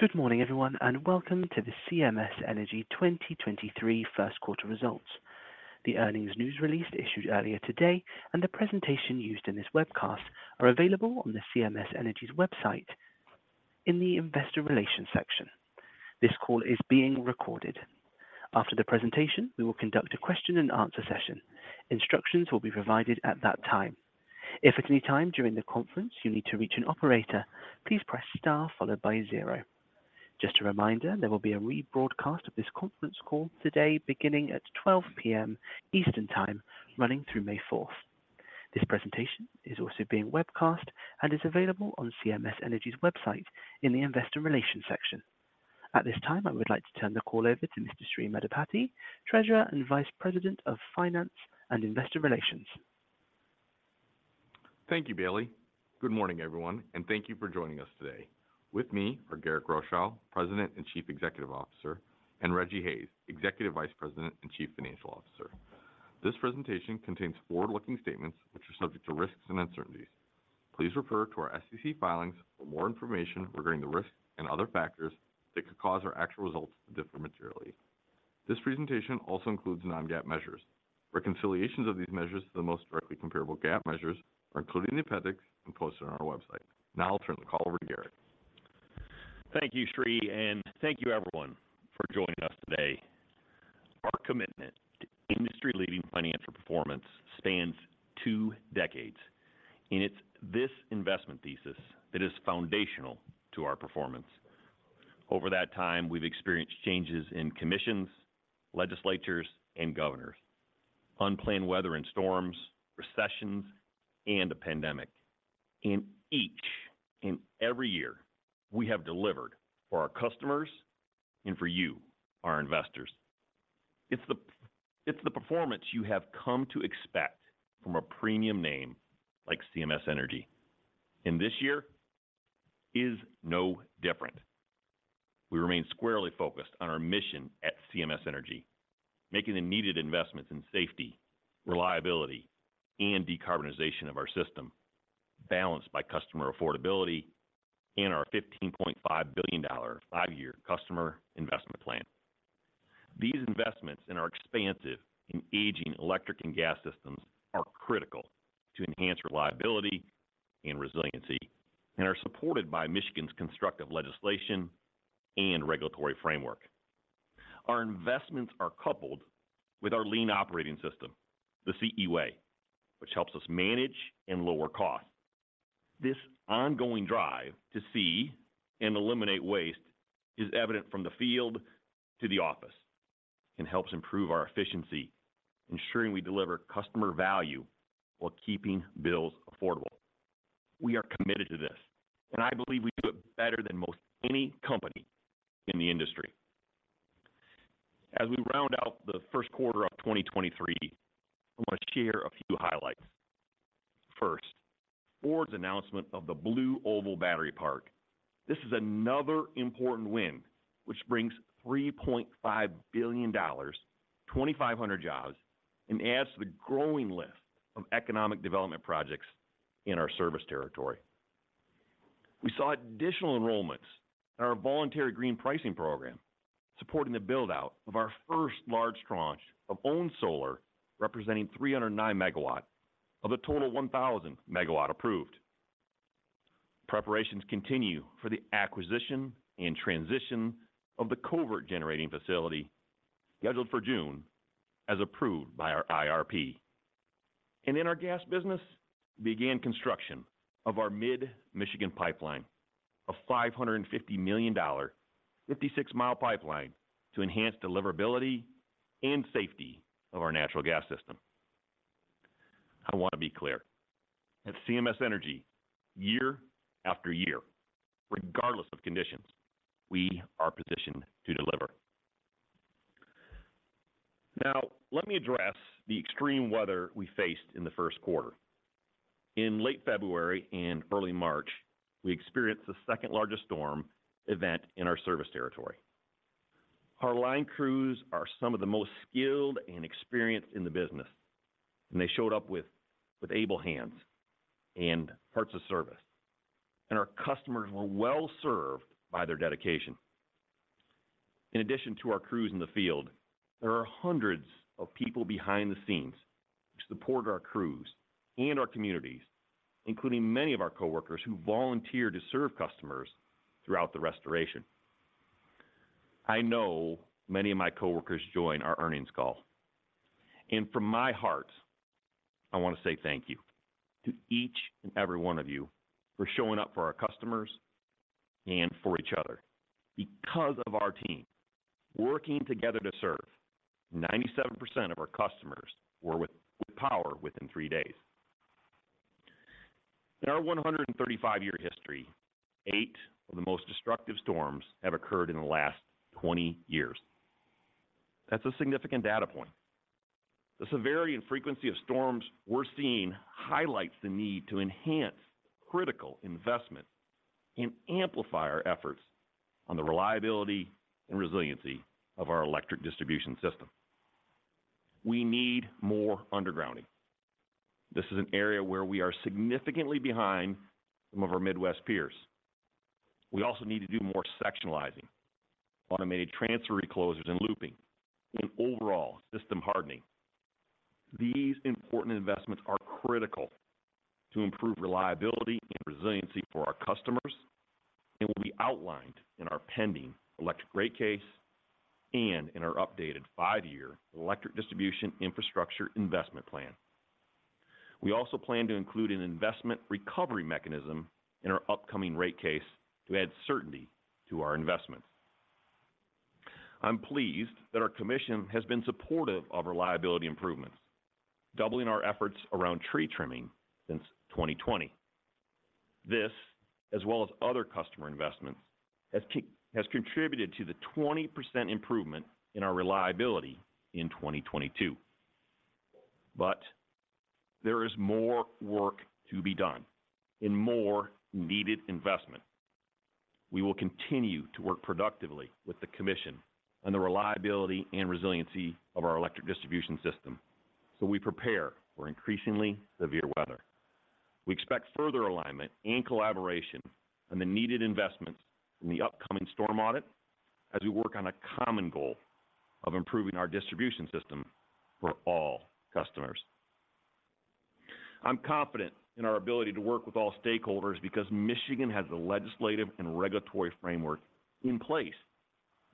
Good morning, everyone, and welcome to the CMS Energy 2023 First Quarter Results. The earnings news release issued earlier today and the presentation used in this webcast are available on the CMS Energy's website in the Investor Relations section. This call is being recorded. After the presentation, we will conduct a question and answer session. Instructions will be provided at that time. If at any time during the conference you need to reach an operator, please press star followed by zero. Just a reminder, there will be a rebroadcast of this conference call today beginning at 12:00 P.M. Eastern Time, running through May 4th. This presentation is also being webcast and is available on CMS Energy's website in the Investor Relations section. At this time, I would like to turn the call over to Mr. Sri Maddipati, Treasurer and Vice President of Finance and Investor Relations. Thank you, Bailey. Good morning, everyone, and thank you for joining us today. With me are Garrick Rochow, President and Chief Executive Officer, and Rejji Hayes, Executive Vice President and Chief Financial Officer. This presentation contains forward-looking statements which are subject to risks and uncertainties. Please refer to our SEC filings for more information regarding the risks and other factors that could cause our actual results to differ materially. This presentation also includes non-GAAP measures. Reconciliations of these measures to the most directly comparable GAAP measures are included in the appendix and posted on our website. Now I'll turn the call over to Garrick. Thank you, Sri, thank you, everyone, for joining us today. Our commitment to industry-leading financial performance spans two decades. It's this investment thesis that is foundational to our performance. Over that time, we've experienced changes in commissions, legislatures, and governors, unplanned weather and storms, recessions, and a pandemic. In each and every year, we have delivered for our customers and for you, our investors. It's the performance you have come to expect from a premium name like CMS Energy. This year is no different. We remain squarely focused on our mission at CMS Energy, making the needed investments in safety, reliability, and decarbonization of our system balanced by customer affordability and our $15.5 billion five-year customer investment plan. These investments in our expansive and aging electric and gas systems are critical to enhance reliability and resiliency and are supported by Michigan's constructive legislation and regulatory framework. Our investments are coupled with our lean operating system, the CE Way, which helps us manage and lower costs. This ongoing drive to see and eliminate waste is evident from the field to the office and helps improve our efficiency, ensuring we deliver customer value while keeping bills affordable. We are committed to this, and I believe we do it better than most any company in the industry. As we round out the first quarter of 2023, I want to share a few highlights. First, Ford's announcement of the BlueOval Battery Park. This is another important win, which brings $3.5 billion, 2,500 jobs, and adds to the growing list of economic development projects in our service territory. We saw additional enrollments in our voluntary green pricing program, supporting the build-out of our first large tranche of owned solar, representing 309 MW of the total 1,000 MW approved. Preparations continue for the acquisition and transition of the Covert Generating Station scheduled for June as approved by our IRP. In our gas business, began construction of our Mid-Michigan pipeline, a $550 million 56-mi pipeline to enhance deliverability and safety of our natural gas system. I want to be clear. At CMS Energy, year after year, regardless of conditions, we are positioned to deliver. Now, let me address the extreme weather we faced in the first quarter. In late February and early March, we experienced the second-largest storm event in our service territory. Our line crews are some of the most skilled and experienced in the business, and they showed up with able hands and hearts of service, and our customers were well served by their dedication. In addition to our crews in the field, there are hundreds of people behind the scenes who support our crews and our communities, including many of our coworkers who volunteered to serve customers throughout the restoration. I know many of my coworkers join our earnings call, and from my heart, I want to say thank you to each and every one of you for showing up for our customers and for each other. Because of our team working together to serve, 97% of our customers were with power within three days. In our 135-year history, eight of the most destructive storms have occurred in the last 20 years. That's a significant data point. The severity and frequency of storms we're seeing highlights the need to enhance critical investment and amplify our efforts on the reliability and resiliency of our electric distribution system. We need more undergrounding. This is an area where we are significantly behind some of our Midwest peers. We also need to do more sectionalizing, automated transfer reclosers and looping, and overall system hardening. These important investments are critical to improve reliability and resiliency for our customers and will be outlined in our pending electric rate case and in our updated 5-year Electric Distribution Infrastructure Investment Plan. We also plan to include an Investment Recovery Mechanism in our upcoming rate case to add certainty to our investments. I'm pleased that our commission has been supportive of reliability improvements, doubling our efforts around tree trimming since 2020. This, as well as other customer investments, has contributed to the 20% improvement in our reliability in 2022. There is more work to be done and more needed investment. We will continue to work productively with the commission on the reliability and resiliency of our electric distribution system, so we prepare for increasingly severe weather. We expect further alignment and collaboration on the needed investments in the upcoming storm audit as we work on a common goal of improving our distribution system for all customers. I'm confident in our ability to work with all stakeholders because Michigan has the legislative and regulatory framework in place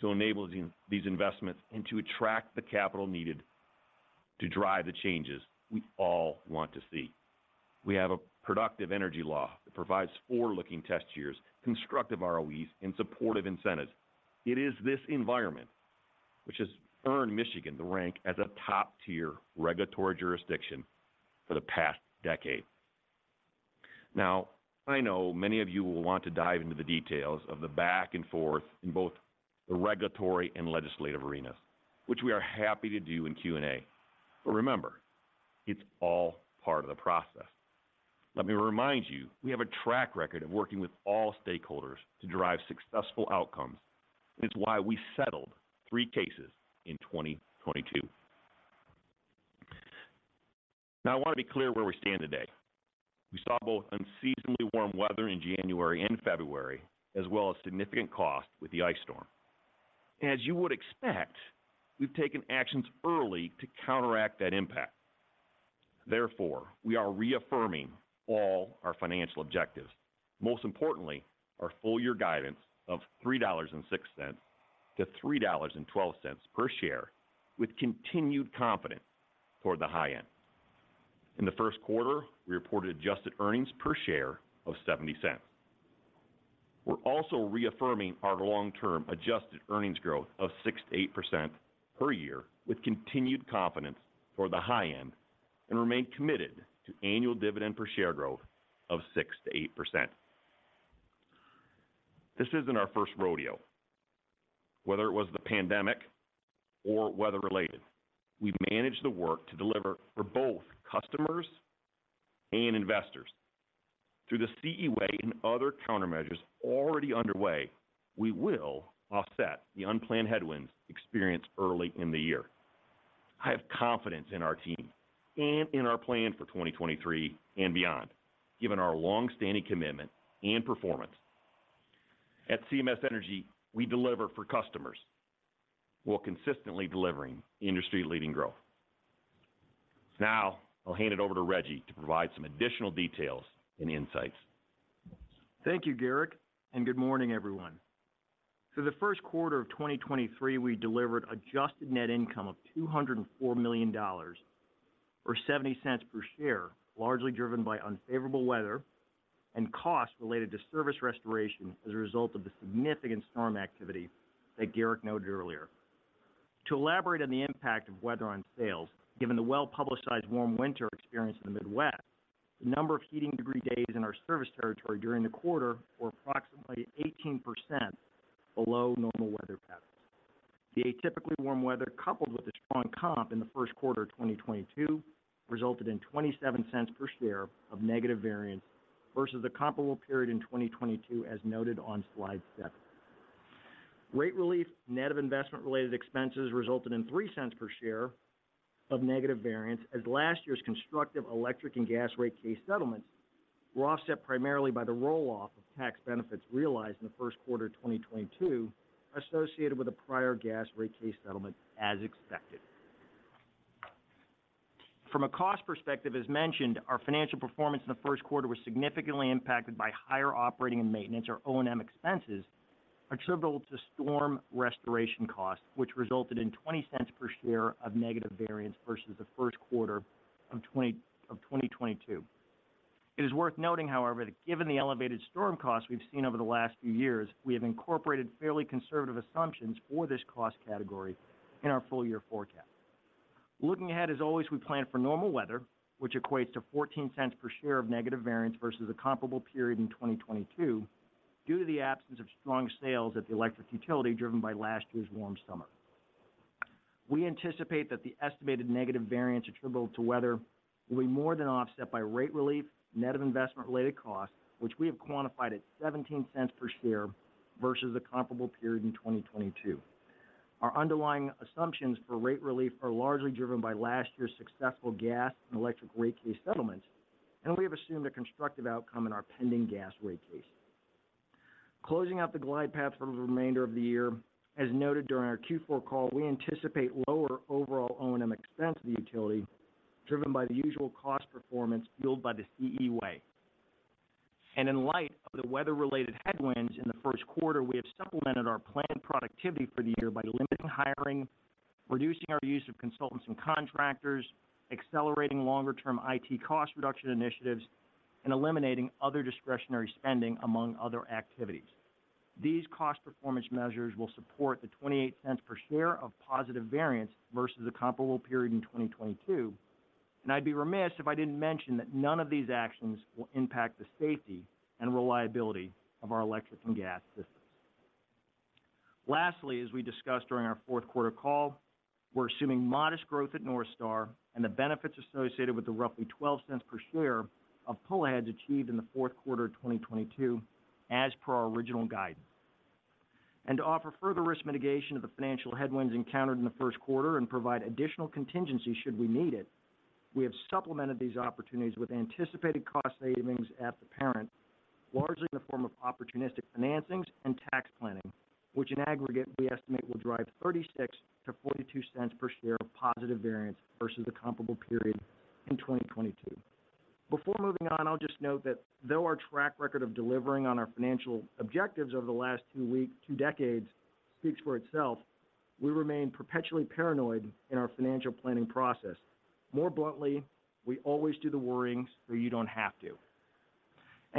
to enable these investments and to attract the capital needed to drive the changes we all want to see. We have a productive energy law that provides forward-looking test years, constructive ROEs, and supportive incentives. It is this environment which has earned Michigan the rank as a top-tier regulatory jurisdiction for the past decade. I know many of you will want to dive into the details of the back and forth in both the regulatory and legislative arenas, which we are happy to do in Q&A. Remember, it's all part of the process. Let me remind you, we have a track record of working with all stakeholders to drive successful outcomes, it's why we settled three cases in 2022. I want to be clear where we stand today. We saw both unseasonably warm weather in January and February, as well as significant cost with the ice storm. As you would expect, we've taken actions early to counteract that impact. We are reaffirming all our financial objectives, most importantly, our full year guidance of $3.06 to $3.12 per share with continued confidence toward the high end. In the first quarter, we reported adjusted earnings per share of $0.70. We're also reaffirming our long-term adjusted earnings growth of 6%-8% per year with continued confidence for the high end and remain committed to annual dividend per share growth of 6%-8%. This isn't our first rodeo. Whether it was the pandemic or weather-related, we've managed the work to deliver for both customers and investors. Through the CE Way and other countermeasures already underway, we will offset the unplanned headwinds experienced early in the year. I have confidence in our team and in our plan for 2023 and beyond, given our long-standing commitment and performance. At CMS Energy, we deliver for customers while consistently delivering industry-leading growth. Now, I'll hand it over to Rejji to provide some additional details and insights. Thank you, Garrick. Good morning, everyone. For the first quarter of 2023, we delivered adjusted net income of $204 million or $0.70 per share, largely driven by unfavorable weather and costs related to service restoration as a result of the significant storm activity that Garrick noted earlier. To elaborate on the impact of weather on sales, given the well-publicized warm winter experienced in the Midwest, the number of heating degree days in our service territory during the quarter were approximately 18% below normal weather patterns. The atypically warm weather, coupled with a strong comp in the first quarter of 2022, resulted in $0.27 per share of negative variance versus the comparable period in 2022, as noted on slide seven. Rate relief net of investment-related expenses resulted in $0.03 per share of negative variance as last year's constructive electric and gas rate case settlements were offset primarily by the roll-off of tax benefits realized in the first quarter of 2022 associated with a prior gas rate case settlement as expected. From a cost perspective, as mentioned, our financial performance in the first quarter was significantly impacted by higher operating and maintenance or O&M expenses attributable to storm restoration costs, which resulted in $0.20 per share of negative variance versus the first quarter of 2022. It is worth noting, however, that given the elevated storm costs we've seen over the last few years, we have incorporated fairly conservative assumptions for this cost category in our full-year forecast. Looking ahead, as always, we plan for normal weather, which equates to $0.14 per share of negative variance versus the comparable period in 2022 due to the absence of strong sales at the electric utility driven by last year's warm summer. We anticipate that the estimated negative variance attributable to weather will be more than offset by rate relief net of investment-related costs, which we have quantified at $0.17 per share versus the comparable period in 2022. Our underlying assumptions for rate relief are largely driven by last year's successful gas and electric rate case settlement. We have assumed a constructive outcome in our pending gas rate case. Closing out the glide path for the remainder of the year, as noted during our Q4 call, we anticipate lower overall O&M expense of the utility, driven by the usual cost performance fueled by the CE Way. In light of the weather-related headwinds in the first quarter, we have supplemented our planned productivity for the year by limiting hiring, reducing our use of consultants and contractors, accelerating longer-term IT cost reduction initiatives, and eliminating other discretionary spending among other activities. These cost performance measures will support the $0.28 per share of positive variance versus the comparable period in 2022. I'd be remiss if I didn't mention that none of these actions will impact the safety and reliability of our electric and gas systems. Lastly, as we discussed during our fourth quarter call, we're assuming modest growth at NorthStar and the benefits associated with the roughly $0.12 per share of pull-aheads achieved in the fourth quarter of 2022 as per our original guidance. To offer further risk mitigation of the financial headwinds encountered in the first quarter and provide additional contingency should we need it, we have supplemented these opportunities with anticipated cost savings at the parent, largely in the form of opportunistic financings and tax planning, which in aggregate we estimate will drive $0.36-$0.42 per share of positive variance versus the comparable period in 2022. Before moving on, I'll just note that though our track record of delivering on our financial objectives over the last two decades speaks for itself, we remain perpetually paranoid in our financial planning process. More bluntly, we always do the worrying so you don't have to.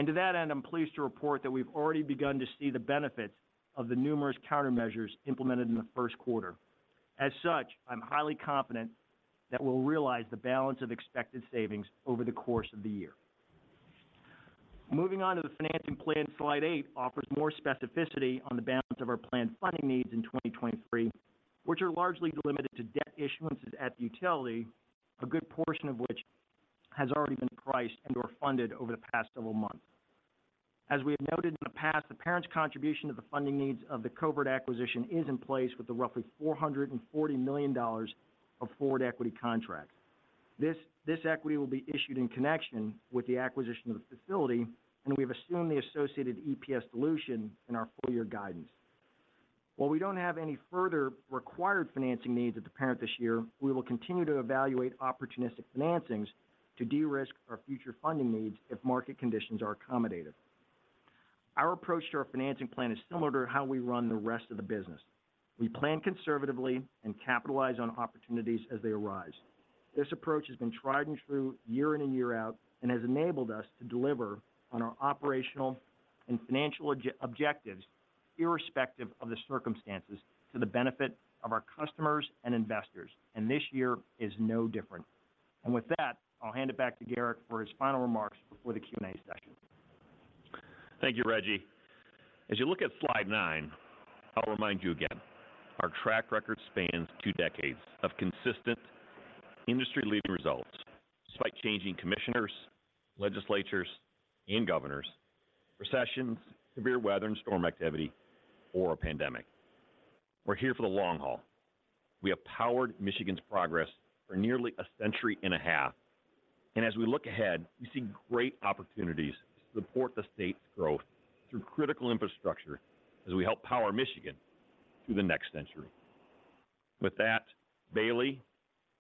To that end, I'm pleased to report that we've already begun to see the benefits of the numerous countermeasures implemented in the first quarter. As such, I'm highly confident that we'll realize the balance of expected savings over the course of the year. Moving on to the financing plan, slide eight offers more specificity on the balance of our planned funding needs in 2023, which are largely limited to debt issuances at the utility, a good portion of which has already been priced and/or funded over the past several months. As we have noted in the past, the parent's contribution to the funding needs of the Covert acquisition is in place with the roughly $440 million of forward equity contracts. This equity will be issued in connection with the acquisition of the facility, and we have assumed the associated EPS dilution in our full-year guidance. While we don't have any further required financing needs at the parent this year, we will continue to evaluate opportunistic financings to de-risk our future funding needs if market conditions are accommodative. Our approach to our financing plan is similar to how we run the rest of the business. We plan conservatively and capitalize on opportunities as they arise. This approach has been tried and true year in and year out and has enabled us to deliver on our operational and financial objectives irrespective of the circumstances to the benefit of our customers and investors. This year is no different. With that, I'll hand it back to Garrick for his final remarks before the Q&A session. Thank you, Rejji. As you look at slide nine, I'll remind you again, our track record spans two decades of consistent industry-leading results despite changing commissioners, legislatures, and governors, recessions, severe weather and storm activity, or a pandemic. We're here for the long haul. We have powered Michigan's progress for nearly a century and a half. As we look ahead, we see great opportunities to support the state's growth through critical infrastructure as we help power Michigan through the next century. With that, Bailey,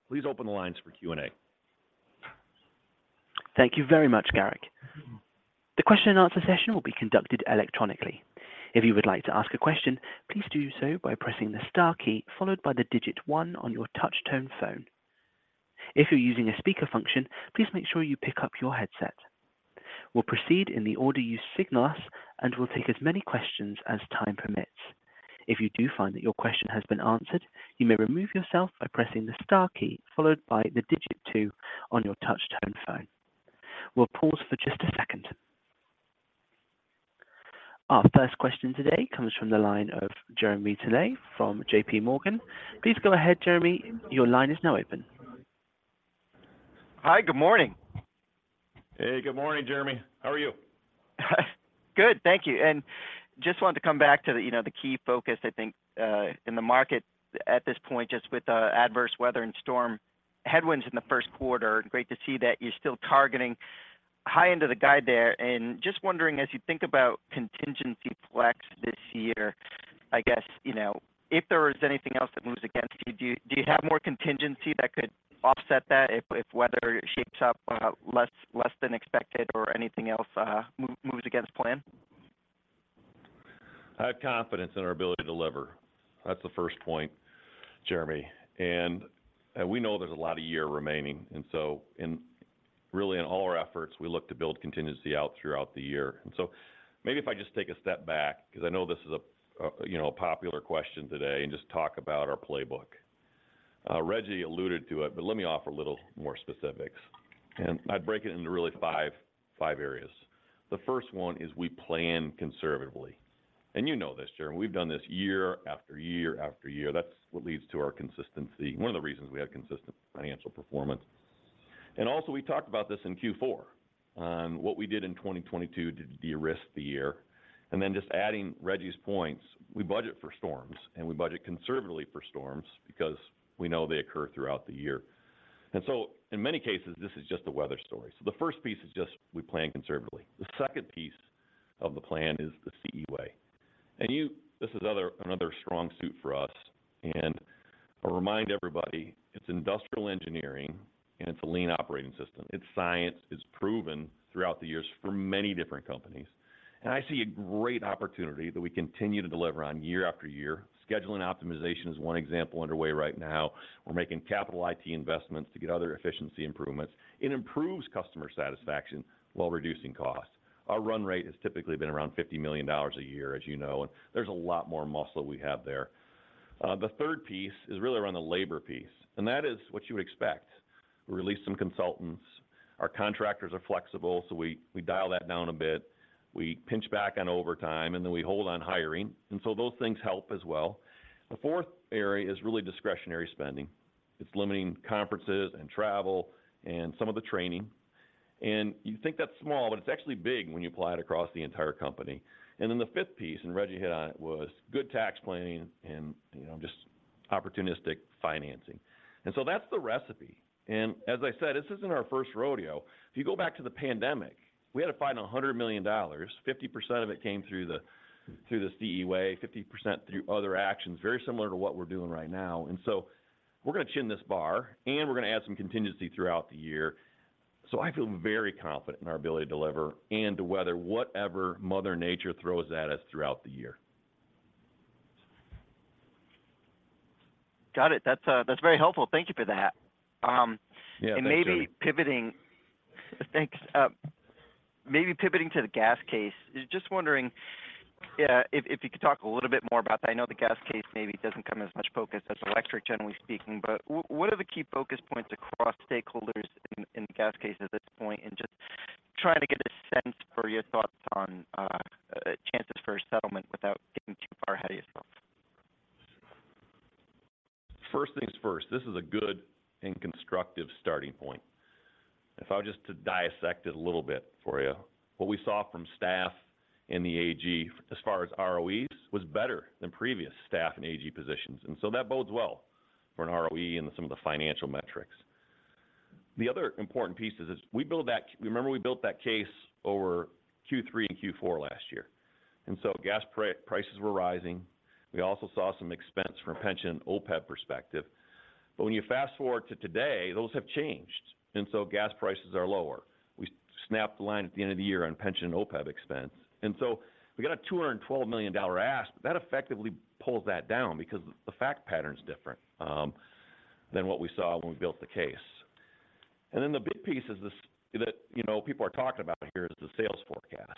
please open the lines for Q&A. Thank you very much, Garrick. The question and answer session will be conducted electronically. If you would like to ask a question, please do so by pressing the star key followed by the digit 1 on your touch tone phone. If you're using a speaker function, please make sure you pick up your headset. We'll proceed in the order you signal us, and we'll take as many questions as time permits. If you do find that your question has been answered, you may remove yourself by pressing the star key followed by the digit 2 on your touch tone phone. We'll pause for just a second. Our first question today comes from the line of Jeremy Tonet from JPMorgan. Please go ahead, Jeremy. Your line is now open. Hi. Good morning. Hey, good morning, Jeremy. How are you? Good, thank you. Just wanted to come back to the, you know, the key focus, I think, in the market at this point, just with adverse weather and storm headwinds in the first quarter. Great to see that you're still targeting high end of the guide there. Just wondering, as you think about contingency flex this year, I guess, you know, if there is anything else that moves against you, do you have more contingency that could offset that if weather shapes up less than expected or anything else moves against plan? I have confidence in our ability to deliver. That's the first point, Jeremy. We know there's a lot of year remaining. So really in all our efforts, we look to build contingency out throughout the year. So maybe if I just take a step back, because I know this is you know, a popular question today, and just talk about our playbook. Rejji alluded to it, but let me offer a little more specifics. I'd break it into really five areas. The first one is we plan conservatively. You know this, Jeremy. We've done this year after year after year. That's what leads to our consistency, one of the reasons we have consistent financial performance. Also we talked about this in Q4, what we did in 2022 to de-risk the year. Just adding Rejji's points, we budget for storms, and we budget conservatively for storms because we know they occur throughout the year. In many cases, this is just a weather story. The first piece is just we plan conservatively. The second piece of the plan is the CE Way. This is another strong suit for us. I'll remind everybody, it's industrial engineering, and it's a lean operating system. It's science. It's proven throughout the years for many different companies. I see a great opportunity that we continue to deliver on year after year. Scheduling optimization is one example underway right now. We're making capital IT investments to get other efficiency improvements. It improves customer satisfaction while reducing costs. Our run rate has typically been around $50 million a year, as you know, There's a lot more muscle we have there. The third piece is really around the labor piece, That is what you would expect. We release some consultants. Our contractors are flexible, so we dial that down a bit. We pinch back on overtime, Then we hold on hiring. Those things help as well. The fourth area is really discretionary spending. It's limiting conferences and travel and some of the training. You think that's small, but it's actually big when you apply it across the entire company. Then the fifth piece, Rejji hit on it, was good tax planning and, you know, just opportunistic financing. That's the recipe. As I said, this isn't our first rodeo. If you go back to the pandemic, we had to find $100 million. 50% of it came through the CE Way, 50% through other actions, very similar to what we're doing right now. We're going to chin this bar, and we're going to add some contingency throughout the year. I feel very confident in our ability to deliver and to weather whatever mother nature throws at us throughout the year. Got it. That's very helpful. Thank you for that. Yeah. Thanks, Jeremy. Thanks. Maybe pivoting to the gas case. Just wondering if you could talk a little bit more about that. I know the gas case maybe doesn't come as much focus as electric, generally speaking. What are the key focus points across stakeholders in the gas case at this point? Just trying to get a sense for your thoughts on chances for a settlement without getting too far ahead of yourself? First things first, this is a good and constructive starting point. If I was just to dissect it a little bit for you, what we saw from staff in the AG as far as ROEs was better than previous staff in AG positions, that bodes well for an ROE and some of the financial metrics. The other important piece is, we built that case over Q3 and Q4 last year. Gas prices were rising. We also saw some expense from a pension OPEB perspective. When you fast-forward to today, those have changed. Gas prices are lower. We snapped the line at the end of the year on pension and OPEB expense. We got a $212 million ask, but that effectively pulls that down because the fact pattern's different than what we saw when we built the case. The big piece is this, that, you know, people are talking about here is the sales forecast.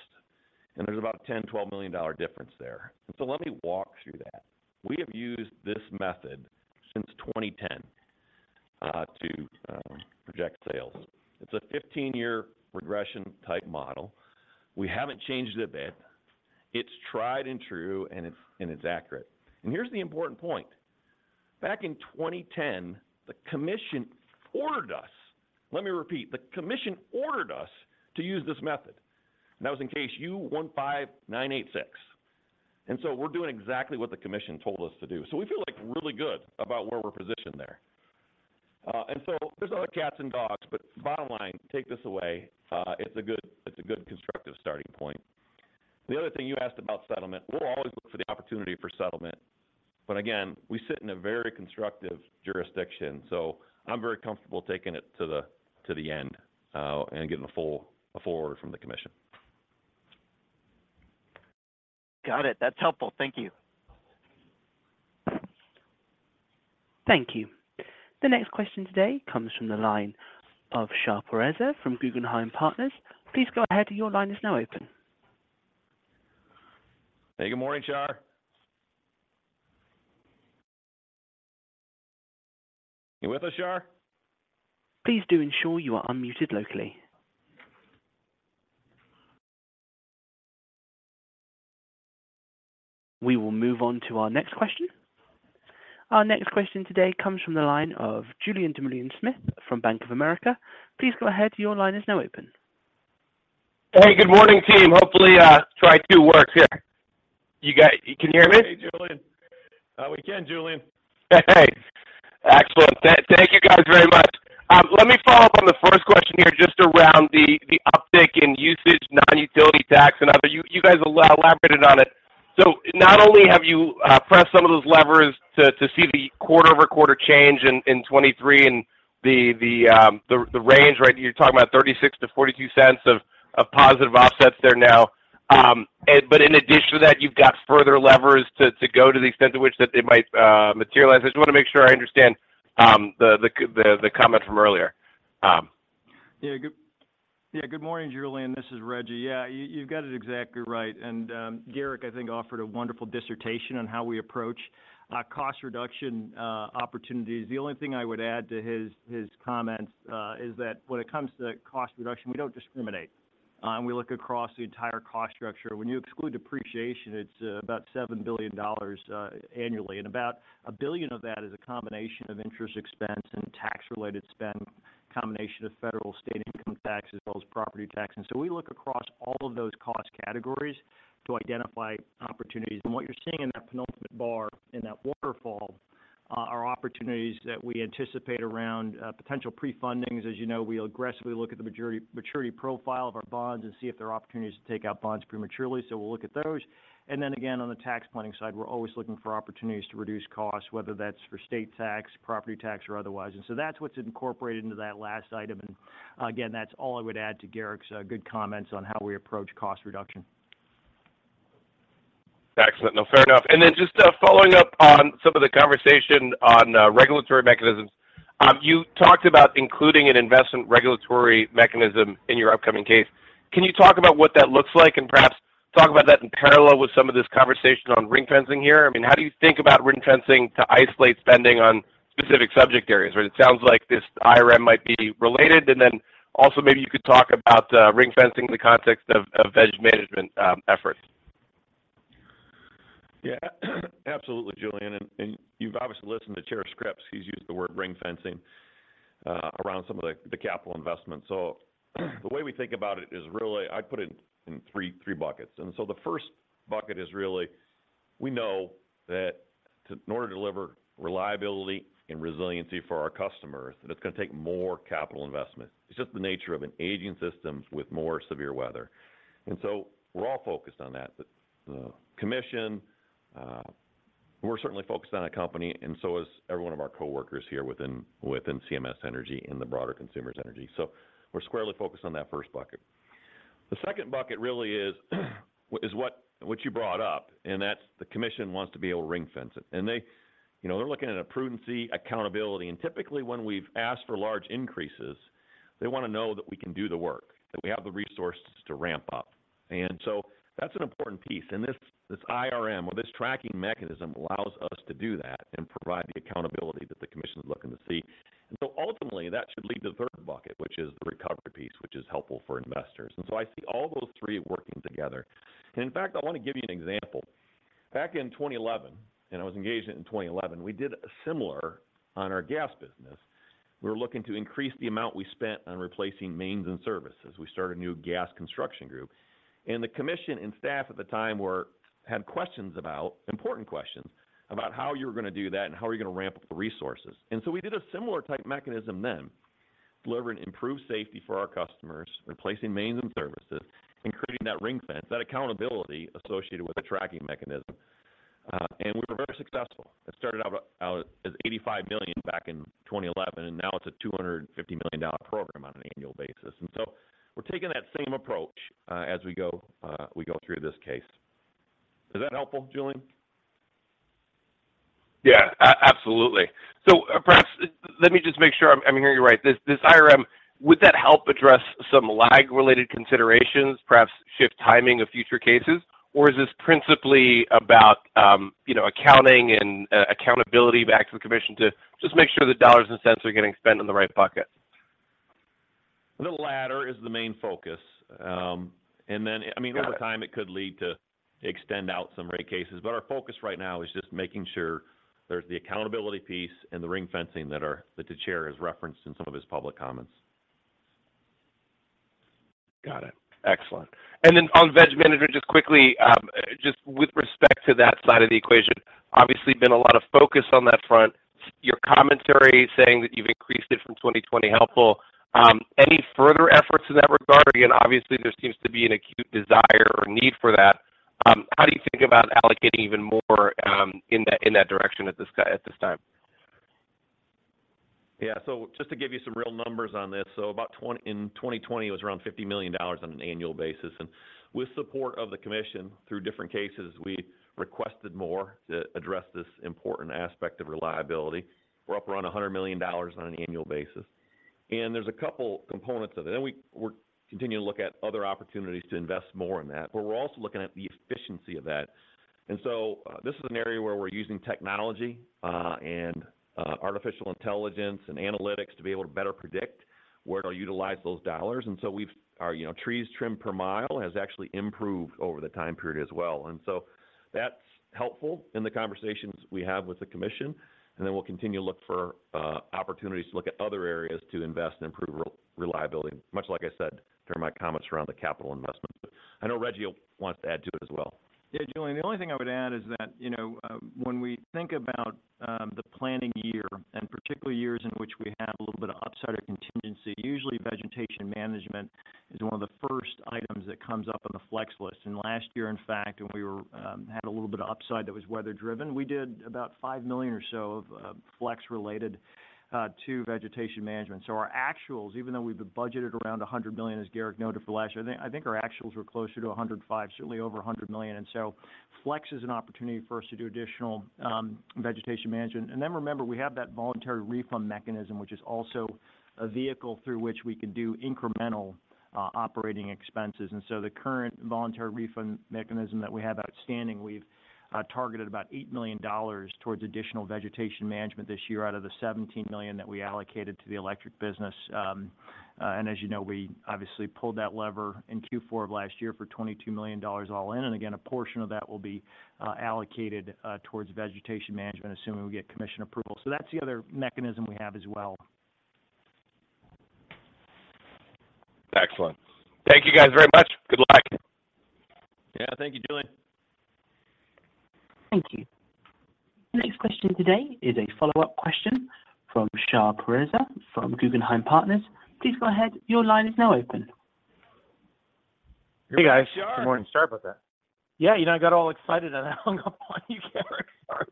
There's about a $10 million, $12 million difference there. Let me walk through that. We have used this method since 2010 to project sales. It's a 15-year regression type model. We haven't changed it a bit. It's tried and true, and it's accurate. Here's the important point. Back in 2010, the commission ordered us, let me repeat, the commission ordered us to use this method. That was in case U-15986. We're doing exactly what the commission told us to do. We feel, like, really good about where we're positioned there. There's other cats and dogs, but bottom line, take this away, it's a good constructive starting point. The other thing you asked about settlement, we'll always look for the opportunity for settlement. Again, we sit in a very constructive jurisdiction, so I'm very comfortable taking it to the, to the end, and getting a full order from the commission. Got it. That's helpful. Thank you. Thank you. The next question today comes from the line of Shar Pourreza from Guggenheim Partners. Please go ahead. Your line is now open. Hey, good morning, Shar. You with us, Shar? Please do ensure you are unmuted locally. We will move on to our next question. Our next question today comes from the line of Julien Dumoulin-Smith from Bank of America. Please go ahead. Your line is now open. Hey, good morning, team. Hopefully, try two works here. You can hear me? Hey, Julien. Excellent. Thank you guys very much. Let me follow up on the first question here just around the uptick in usage, non-utility tax and other. You guys elaborated on it. Not only have you pressed some of those levers to see the quarter-over-quarter change in 2023 and the range, right? You're talking about $0.36-$0.42 of positive offsets there now. But in addition to that, you've got further levers to go to the extent to which that they might materialize. I just want to make sure I understand the comment from earlier. Yeah. Good. Yeah. Good morning, Julien. This is Rejji. Yeah. You, you've got it exactly right. Garrick, I think, offered a wonderful dissertation on how we approach cost reduction opportunities. The only thing I would add to his comments, is that when it comes to cost reduction, we don't discriminate. We look across the entire cost structure. When you exclude depreciation, it's about $7 billion annually, and about $1 billion of that is a combination of interest expense and tax-related spend, combination of federal, state income tax as well as property tax. We look across all of those cost categories to identify opportunities. What you're seeing in that penultimate bar in that waterfall are opportunities that we anticipate around potential pre-fundings. As you know, we aggressively look at the maturity profile of our bonds and see if there are opportunities to take out bonds prematurely. We'll look at those. Again, on the tax planning side, we're always looking for opportunities to reduce costs, whether that's for state tax, property tax or otherwise. That's what's incorporated into that last item. That's all I would add to Garrick's good comments on how we approach cost reduction. Excellent. No, fair enough. Just following up on some of the conversation on regulatory mechanisms. You talked about including an investment regulatory mechanism in your upcoming case. Can you talk about what that looks like and perhaps talk about that in parallel with some of this conversation on ring fencing here? I mean, how do you think about ring fencing to isolate spending on specific subject areas? It sounds like this IRM might be related. Also maybe you could talk about ring fencing in the context of veg management efforts? Absolutely, Julien. you've obviously listened to Chair Scripps. He's used the word ring fencing, around some of the capital investments. The way we think about it is really I'd put it in three buckets. The first bucket is really, we know that in order to deliver reliability and resiliency for our customers, that it's gonna take more capital investment. It's just the nature of an aging systems with more severe weather. We're all focused on that. The commission, we're certainly focused on a company and so is every one of our coworkers here within CMS Energy and the broader Consumers Energy. We're squarely focused on that first bucket. The second bucket really is what you brought up, and that's the commission wants to be able to ring fence it. They, you know, they're looking at a prudency accountability. Typically when we've asked for large increases, they wanna know that we can do the work, that we have the resources to ramp up. That's an important piece. This IRM or this tracking mechanism allows us to do that and provide the accountability that the commission's looking to see. Ultimately that should lead to the third bucket, which is the recovery piece, which is helpful for investors. I see all those three working together. In fact, I wanna give you an example. Back in 2011, and I was engaged in 2011, we did a similar on our gas business. We were looking to increase the amount we spent on replacing mains and services. We started a new gas construction group. The commission and staff at the time had questions about, important questions about how you were gonna do that and how are we gonna ramp up the resources. We did a similar type mechanism then, delivering improved safety for our customers, replacing mains and services, and creating that ring fence, that accountability associated with a tracking mechanism. And we were very successful. It started out as $85 million back in 2011, and now it's a $250 million program on an annual basis. We're taking that same approach, as we go, we go through this case. Is that helpful, Julien? Yeah, absolutely. Perhaps, let me just make sure I'm hearing you right. This IRM, would that help address some lag related considerations, perhaps shift timing of future cases? Is this principally about, you know, accounting and accountability back to the commission to just make sure the dollars and cents are getting spent in the right bucket? The latter is the main focus. Got it.... over time it could lead to extend out some rate cases. Our focus right now is just making sure there's the accountability piece and the ring fencing that the Chair has referenced in some of his public comments. Got it. Excellent. On veg management, just quickly, just with respect to that side of the equation, obviously been a lot of focus on that front. Your commentary saying that you've increased it from 2020 helpful. Any further efforts in that regard? Again, obviously there seems to be an acute desire or need for that. How do you think about allocating even more, in that, in that direction at this time? Just to give you some real numbers on this. In 2020 it was around $50 million on an annual basis. With support of the commission through different cases, we requested more to address this important aspect of reliability. We're up around $100 million on an annual basis. There's a couple components of it. We're continuing to look at other opportunities to invest more in that, but we're also looking at the efficiency of that. This is an area where we're using technology, and artificial intelligence and analytics to be able to better predict where to utilize those dollars. Our, you know, trees trimmed per mile has actually improved over the time period as well. That's helpful in the conversations we have with the commission. We'll continue to look for opportunities to look at other areas to invest and improve re-reliability, much like I said during my comments around the capital investment. I know Rejji will want to add to it as well. Yeah, Julien, the only thing I would add is that, you know, when we think about, the planning year and particularly years in which we have a little bit of upside or contingency, usually vegetation management is one of the first items that comes up on the flex list. Last year, in fact, when we were, had a little bit of upside that was weather driven, we did about $5 million or so of, flex related, to vegetation management. Our actuals, even though we've been budgeted around $100 million, as Garrick noted for last year, I think our actuals were closer to $105 million, certainly over $100 million. Flex is an opportunity for us to do additional, vegetation management. Remember we have that voluntary refund mechanism which is also a vehicle through which we can do incremental operating expenses. The current voluntary refund mechanism that we have outstanding, we've targeted about $8 million towards additional vegetation management this year out of the $17 million that we allocated to the electric business. As you know, we obviously pulled that lever in Q4 of last year for $22 million all-in. A portion of that will be allocated towards vegetation management assuming we get commission approval. That's the other mechanism we have as well. Excellent. Thank you guys very much. Good luck. Yeah, thank you, Julien. Thank you. The next question today is a follow-up question from Shar Pourreza from Guggenheim Partners. Please go ahead. Your line is now open. Hey, guys. Good morning. Shar. Sorry about that. Yeah, you know, I got all excited and I hung up on you, Garrick. Sorry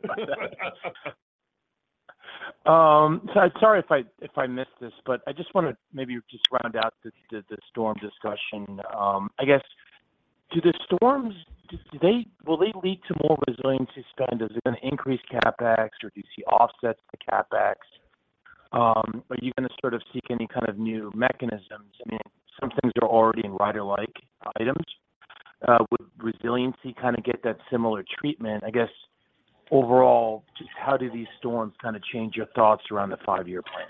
about that. Sorry if I missed this, but I just wanna maybe just round out this, the storm discussion. I guess do the storms, will they lead to more resiliency spend? Is it gonna increase CapEx, or do you see offsets to CapEx? Are you gonna sort of seek any kind of new mechanisms? I mean, some things are already in rider-like items. Would resiliency kinda get that similar treatment? I guess, overall, just how do these storms kinda change your thoughts around the five-year plan?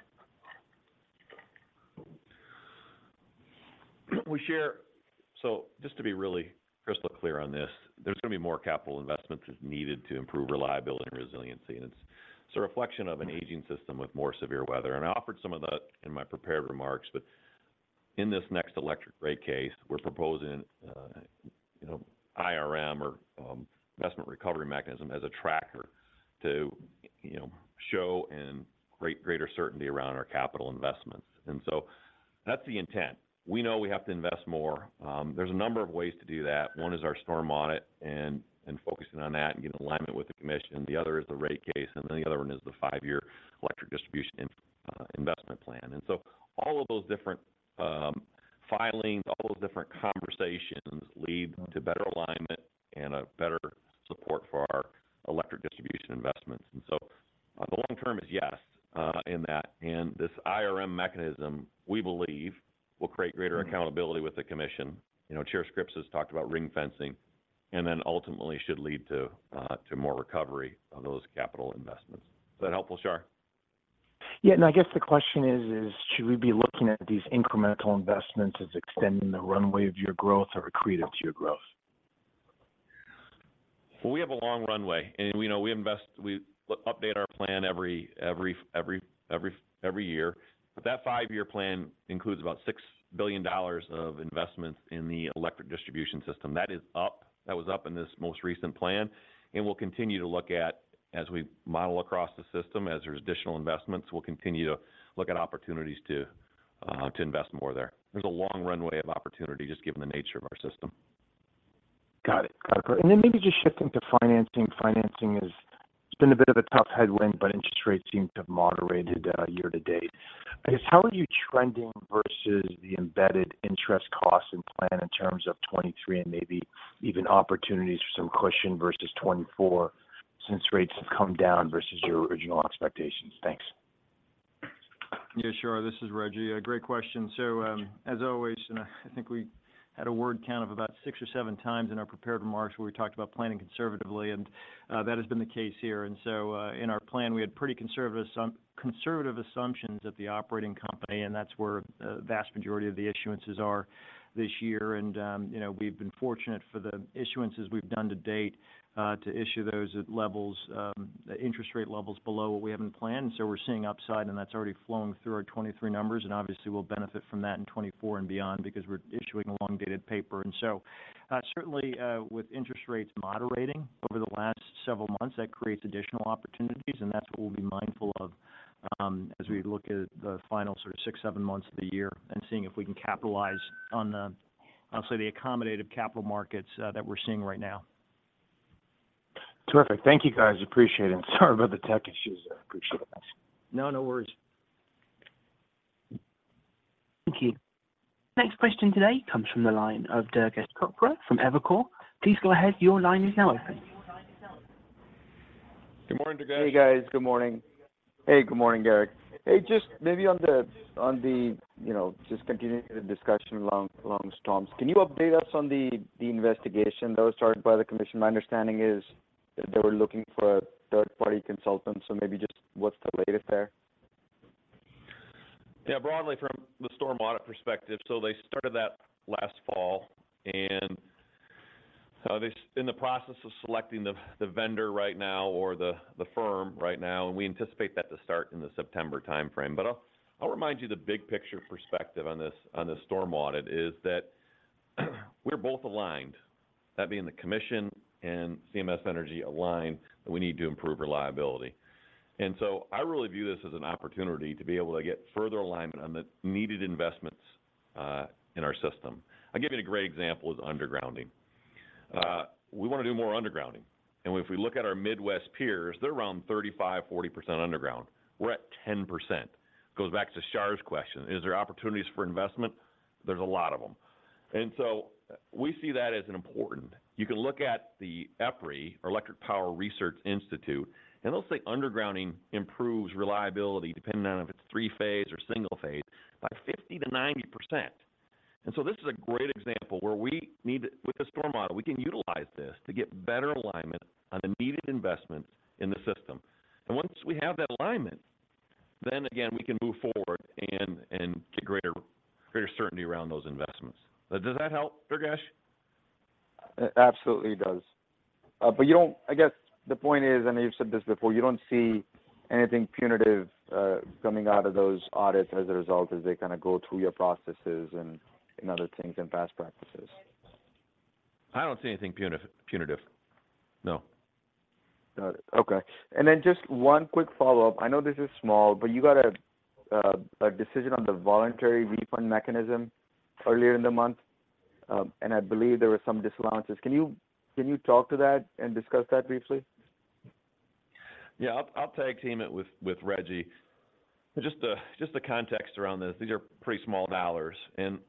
Just to be really crystal clear on this, there's gonna be more capital investments as needed to improve reliability and resiliency, and it's a reflection of an aging system with more severe weather. I offered some of that in my prepared remarks. In this next electric rate case, we're proposing, you know, IRM or Investment Recovery Mechanism as a tracker to, you know, show and create greater certainty around our capital investments. That's the intent. We know we have to invest more. There's a number of ways to do that. One is our storm audit and focusing on that and getting alignment with the commission. The other is the rate case, and then the other one is the five-year Electric Distribution Investment Plan. All of those different filings, all those different conversations lead to better alignment and a better support for our electric distribution investments. The long term is yes in that. This IRM mechanism, we believe, will create greater accountability with the commission. You know, Chair Scripps has talked about ring fencing and then ultimately should lead to more recovery of those capital investments. Is that helpful, Shar? I guess the question is should we be looking at these incremental investments as extending the runway of your growth or accretive to your growth? We have a long runway and, you know, we invest, we update our plan every year. That five-year plan includes about $6 billion of investments in the electric distribution system. That is up. That was up in this most recent plan. We'll continue to look at as we model across the system. As there's additional investments, we'll continue to look at opportunities to invest more there. There's a long runway of opportunity just given the nature of our system. Got it. Then maybe just shifting to financing. Financing has been a bit of a tough headwind, but interest rates seem to have moderated, year to date. I guess how are you trending versus the embedded interest costs and plan in terms of 2023 and maybe even opportunities for some cushion versus 2024 since rates have come down versus your original expectations? Thanks. Yeah, sure. This is Rejji. A great question. As always, I think we had a word count of about 6 or 7 times in our prepared remarks where we talked about planning conservatively, that has been the case here. In our plan, we had pretty conservative assumptions at the operating company, that's where a vast majority of the issuances are this year. You know, we've been fortunate for the issuances we've done to date to issue those at levels, interest rate levels below what we have in plan. We're seeing upside, that's already flowing through our 2023 numbers, obviously we'll benefit from that in 2024 and beyond because we're issuing a long-dated paper. Certainly, with interest rates moderating over the last several months, that creates additional opportunities, and that's what we'll be mindful of, as we look at the final sort of six, seven months of the year and seeing if we can capitalize on the, I'll say, the accommodative capital markets, that we're seeing right now. Terrific. Thank you, guys. Appreciate it. Sorry about the tech issues. I appreciate that. No, no worries. Thank you. Next question today comes from the line of Durgesh Chopra from Evercore. Please go ahead. Your line is now open. Good morning, Durgesh. Hey, guys. Good morning. Hey, good morning, Garrick. Hey, just maybe on the, you know, just continuing the discussion along storms, can you update us on the investigation that was started by the commission? My understanding is that they were looking for a third-party consultant, maybe just what's the latest there? Broadly from the storm audit perspective, they started that last fall, they in the process of selecting the vendor right now or the firm right now. We anticipate that to start in the September timeframe. I'll remind you the big picture perspective on this storm audit is that we're both aligned, that being the commission and CMS Energy align, we need to improve reliability. I really view this as an opportunity to be able to get further alignment on the needed investments in our system. I'll give you a great example is undergrounding. We want to do more undergrounding. If we look at our Midwest peers, they're around 35%-40% underground. We're at 10%. It goes back to Shar's question, is there opportunities for investment? There's a lot of them. We see that as an important. You can look at the EPRI or Electric Power Research Institute, and they'll say undergrounding improves reliability depending on if it's 3-phase or single-phase by 50%-90%. This is a great example where we need to, with the storm model, we can utilize this to get better alignment on the needed investments in the system. Once we have that alignment, then again, we can move forward and get greater certainty around those investments. Does that help, Durgesh? It absolutely does. I guess the point is, and you've said this before, you don't see anything punitive, coming out of those audits as a result as they kind of go through your processes and other things and best practices. I don't see anything punitive, no. Got it. Okay. Just one quick follow-up. I know this is small, but you got a decision on the voluntary refund mechanism earlier in the month, I believe there were some disallowances. Can you talk to that and discuss that briefly? Yeah. I'll tag team it with Rejji. Just the context around this, these are pretty small dollars. The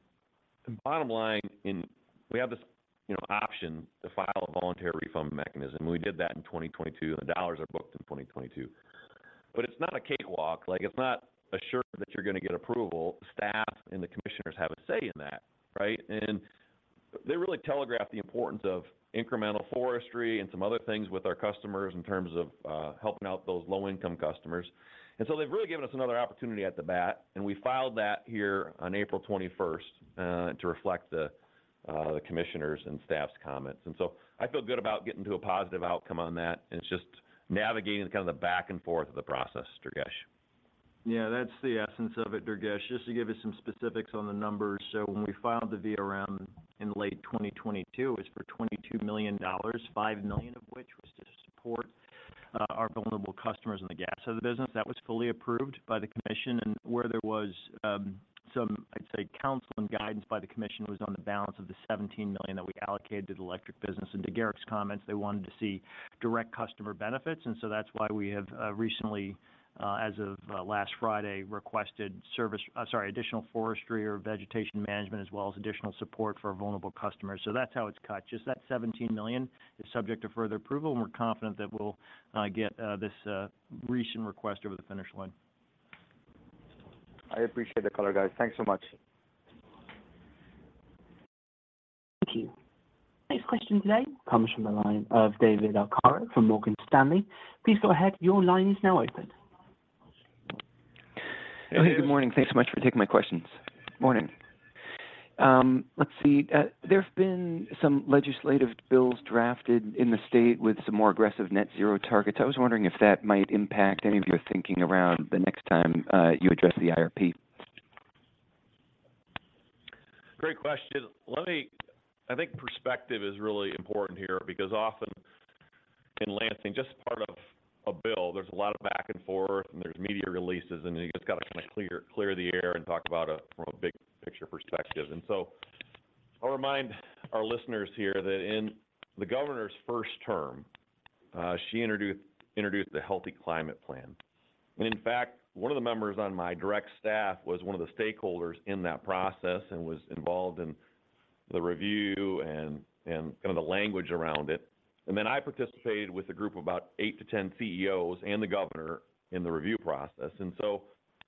bottom line in we have this, you know, option to file a voluntary refund mechanism. We did that in 2022, and the dollars are booked in 2022. It's not a cakewalk. Like, it's not assured that you're gonna get approval. Staff and the commissioners have a say in that, right? They really telegraphed the importance of incremental forestry and some other things with our customers in terms of helping out those low-income customers. We filed that here on April 21st to reflect the commissioners' and staff's comments. I feel good about getting to a positive outcome on that, and it's just navigating kind of the back and forth of the process, Durgesh. Yeah, that's the essence of it, Durgesh. Just to give you some specifics on the numbers. When we filed the VRM in late 2022, it was for $22 million, $5 million of which was to support our vulnerable customers in the gas of the business. That was fully approved by the commission. Where there was, I'd say, counsel and guidance by the commission was on the balance of the $17 million that we allocated to the electric business. To Garrick's comments, they wanted to see direct customer benefits. That's why we have recently, as of last Friday, requested additional forestry or vegetation management, as well as additional support for vulnerable customers. That's how it's cut. Just that $17 million is subject to further approval, and we're confident that we'll get this recent request over the finish line. I appreciate the color, guys. Thanks so much. Thank you. Next question today comes from the line of David Arcaro from Morgan Stanley. Please go ahead. Your line is now open. Okay. Good morning. Thanks so much for taking my questions. Morning. Let's see. There have been some legislative bills drafted in the state with some more aggressive net zero targets. I was wondering if that might impact any of your thinking around the next time you address the IRP. Great question. I think perspective is really important here because often in Lansing, just part of a bill, there's a lot of back and forth, and there's media releases, and you just got to kind of clear the air and talk about it from a big-picture perspective. I'll remind our listeners here that in the Governor's first term, she introduced the Healthy Climate Plan. In fact, one of the members on my direct staff was one of the stakeholders in that process and was involved in the review and kind of the language around it. I participated with a group of about eight to 10 CEOs and the Governor in the review process.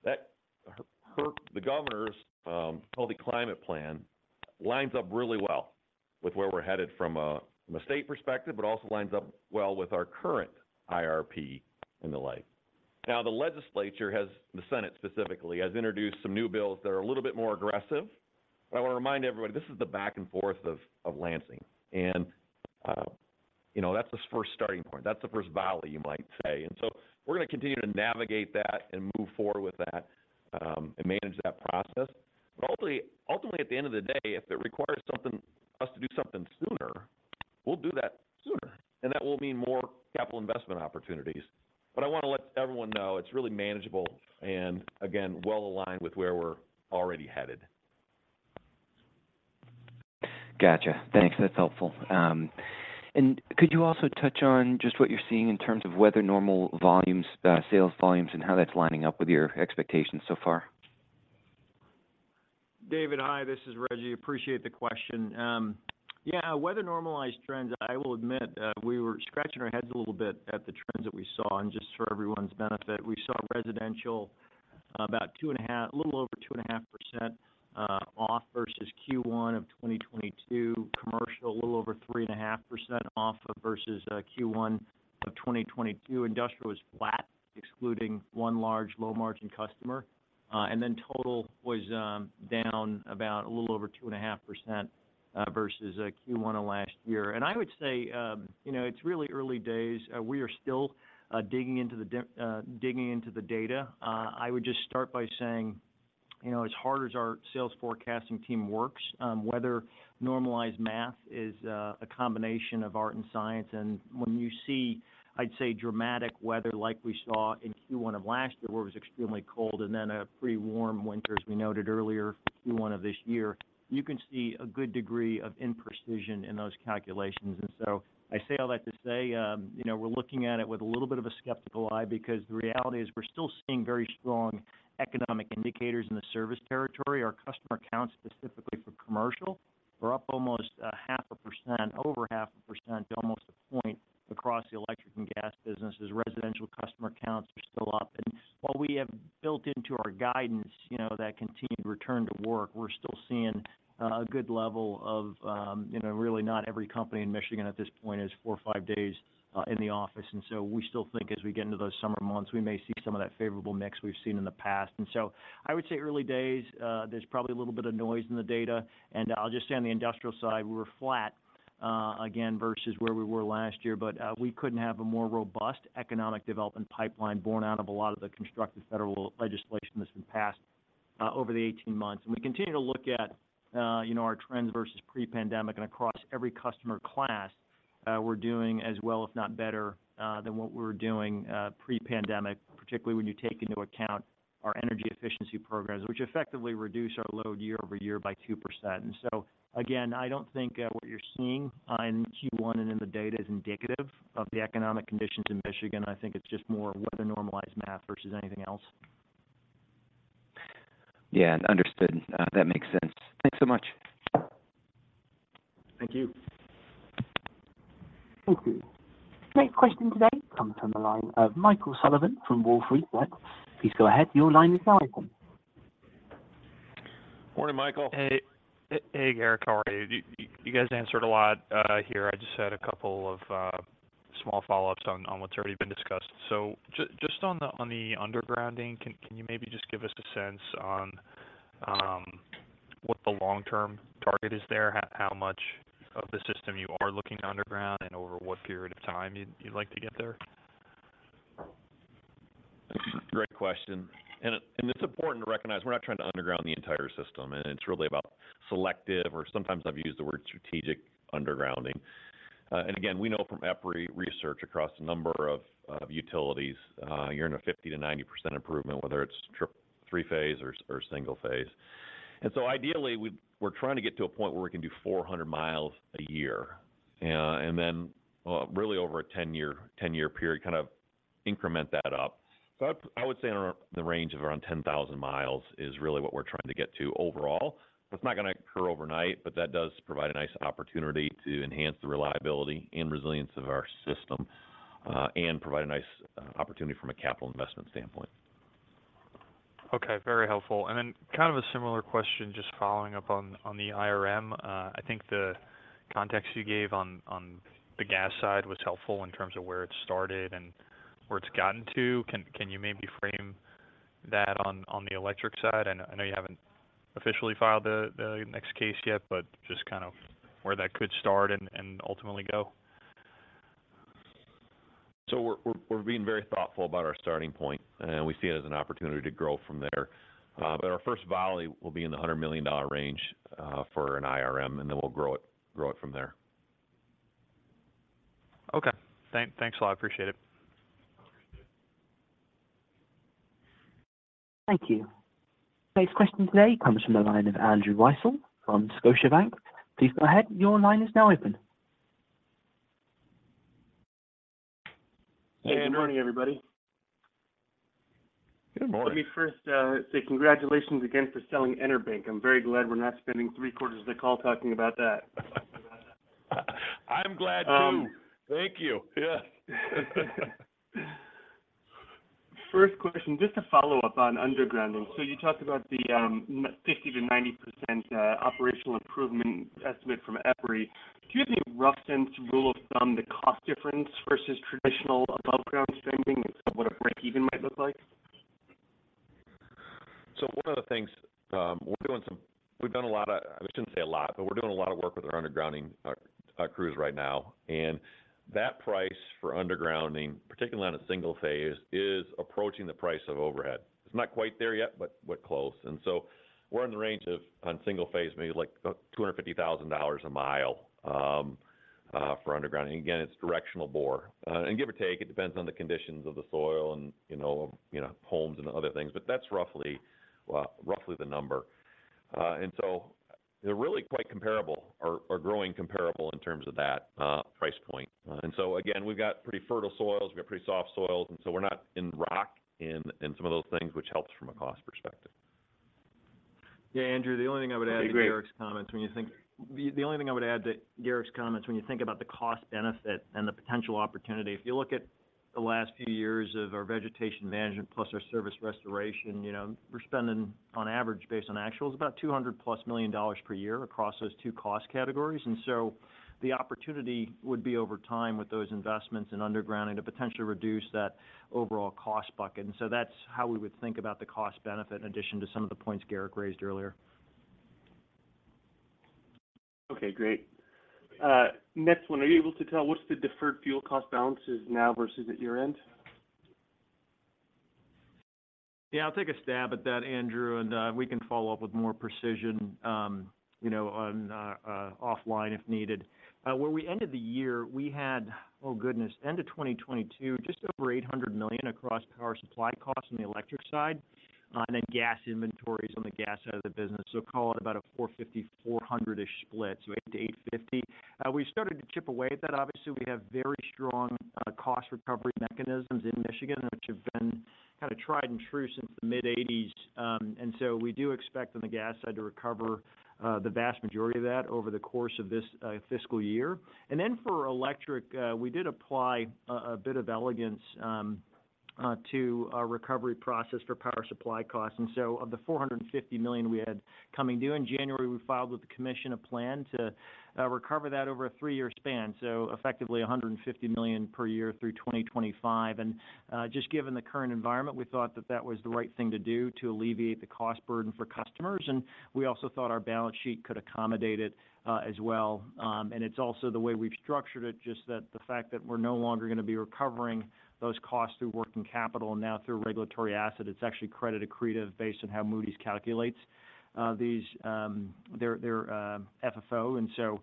The Governor's Healthy Climate Plan lines up really well with where we're headed from a state perspective, but also lines up well with our current IRP and the like. The legislature has, the Senate specifically, has introduced some new bills that are a little bit more aggressive. I wanna remind everybody, this is the back and forth of Lansing. you know, that's the first starting point. That's the first volley, you might say. we're gonna continue to navigate that and move forward with that and manage that process. Ultimately, ultimately, at the end of the day, if it requires us to do something sooner, we'll do that sooner. That will mean more capital investment opportunities. I wanna let everyone know it's really manageable and, again, well aligned with where we're already headed. Gotcha. Thanks. That's helpful. Could you also touch on just what you're seeing in terms of weather normal volumes, sales volumes, and how that's lining up with your expectations so far? David, hi. This is Rejji. Appreciate the question. Weather normalized trends, I will admit, we were scratching our heads a little bit at the trends that we saw. Just for everyone's benefit, we saw residential about 2.5%, a little over 2.5% off versus Q1 of 2022. Commercial, a little over 3.5% off of versus Q1 of 2022. Industrial was flat, excluding one large low-margin customer. Total was down about a little over 2.5% versus Q1 of last year. I would say, you know, it's really early days. We are still digging into the data. I would just start by saying, you know, as hard as our sales forecasting team works, weather normalized math is a combination of art and science. When you see, I'd say, dramatic weather like we saw in Q1 of last year, where it was extremely cold and then a pretty warm winter, as we noted earlier, Q1 of this year, you can see a good degree of imprecision in those calculations. I say all that to say, you know, we're looking at it with a little bit of a skeptical eye because the reality is we're still seeing very strong economic indicators in the service territory. Our customer count specifically for commercial were up almost half a percent, over half a percent to almost 1% across the electric and gas businesses. Residential customer counts are still up. While we have built into our guidance, you know, that continued return to work, we're still seeing a good level of, you know, really not every company in Michigan at this point is four or five days in the office. We still think as we get into those summer months, we may see some of that favorable mix we've seen in the past. I would say early days, there's probably a little bit of noise in the data. I'll just say on the industrial side, we were flat Again, versus where we were last year. We couldn't have a more robust economic development pipeline borne out of a lot of the constructive federal legislation that's been passed over the 18 months. We continue to look at, you know, our trends versus pre-pandemic and across every customer class, we're doing as well, if not better, than what we were doing pre-pandemic, particularly when you take into account our energy efficiency programs, which effectively reduce our load year-over-year by 2%. Again, I don't think what you're seeing on Q1 and in the data is indicative of the economic conditions in Michigan. I think it's just more weather normalized math versus anything else. Yeah. Understood. That makes sense. Thanks so much. Thank you. Thank you. Next question today comes from the line of Michael Sullivan from Wolfe Research. Please go ahead. Your line is now open. Morning, Michael. Hey, Garrick. How are you? You guys answered a lot, here. I just had a couple of small follow-ups on what's already been discussed. Just on the undergrounding, can you maybe just give us a sense on what the long-term target is there? How much of the system you are looking to underground and over what period of time you'd like to get there? Great question. It's important to recognize we're not trying to underground the entire system, and it's really about selective, or sometimes I've used the word strategic undergrounding. Again, we know from EPRI research across a number of utilities, you're in a 50% to 90% improvement, whether it's three-phase or single-phase. Ideally we're trying to get to a point where we can do 400 mi a year, and then really over a 10-year period, kind of increment that up. I would say in the range of around 10,000 mi is really what we're trying to get to overall. That's not going to occur overnight, but that does provide a nice opportunity to enhance the reliability and resilience of our system, and provide a nice opportunity from a capital investment standpoint. Okay. Very helpful. Kind of a similar question, just following up on the IRM. I think the context you gave on the gas side was helpful in terms of where it started and where it's gotten to. Can you maybe frame that on the electric side? I know you haven't officially filed the next case yet, but just kind of where that could start and ultimately go. We're being very thoughtful about our starting point, and we see it as an opportunity to grow from there. Our first volley will be in the $100 million range for an IRM, and then we'll grow it from there. Okay. Thanks a lot. Appreciate it. Thank you. Next question today comes from the line of Andrew Weisel from Scotiabank. Please go ahead. Your line is now open. Hey, Andrew. Good morning, everybody. Good morning. Let me first say congratulations again for selling EnerBank. I'm very glad we're not spending three-quarters of the call talking about that. I'm glad too. Thank you. Yeah. First question, just to follow up on undergrounding. You talked about the 50%-90% operational improvement estimate from EPRI. Do you have any rough sense rule of thumb the cost difference versus traditional above ground streaming in terms of what a break even might look like? One of the things, we're doing a lot of work with our undergrounding crews right now, and that price for undergrounding, particularly on a single phase, is approaching the price of overhead. It's not quite there yet, but close. We're in the range of, on single phase, maybe like, $250,000 a mile for undergrounding. Again, it's directional bore. Give or take, it depends on the conditions of the soil and, you know, homes and other things, but that's roughly the number. They're really quite comparable or growing comparable in terms of that price point. Again, we've got pretty fertile soils, we've got pretty soft soils, and so we're not in rock in some of those things which helps from a cost perspective. Yeah, Andrew, the only thing I would add to Garrick's comments when you think. Great. The only thing I would add to Garrick's comments when you think about the cost benefit and the potential opportunity, if you look at the last few years of our vegetation management plus our service restoration, you know, we're spending on average based on actuals, about $200+ million per year across those two cost categories. The opportunity would be over time with those investments in undergrounding to potentially reduce that overall cost bucket. That's how we would think about the cost benefit in addition to some of the points Garrick raised earlier. Okay, great. Next one. Are you able to tell what's the deferred fuel cost balances now versus at year-end? Yeah, I'll take a stab at that, Andrew, and we can follow up with more precision, you know, on offline if needed. Where we ended the year, we had, oh goodness, end of 2022, just over $800 million across power supply costs on the electric side, and then gas inventories on the gas side of the business. Call it about a $450, $400-ish split, so $800 million-$850 million. We started to chip away at that. Obviously, we have very strong cost recovery mechanisms in Michigan, which have been kinda tried and true since the mid-1980s. We do expect on the gas side to recover the vast majority of that over the course of this fiscal year. For electric, we did apply a bit of elegance to our recovery process for power supply costs. So of the $450 million we had coming due in January, we filed with the commission a plan to recover that over a 3-year span, so effectively $150 million per year through 2025. Just given the current environment, we thought that that was the right thing to do to alleviate the cost burden for customers. We also thought our balance sheet could accommodate it as well. It's also the way we've structured it, just that the fact that we're no longer gonna be recovering those costs through working capital and now through regulatory asset, it's actually credit accretive based on how Moody's calculates these their FFO.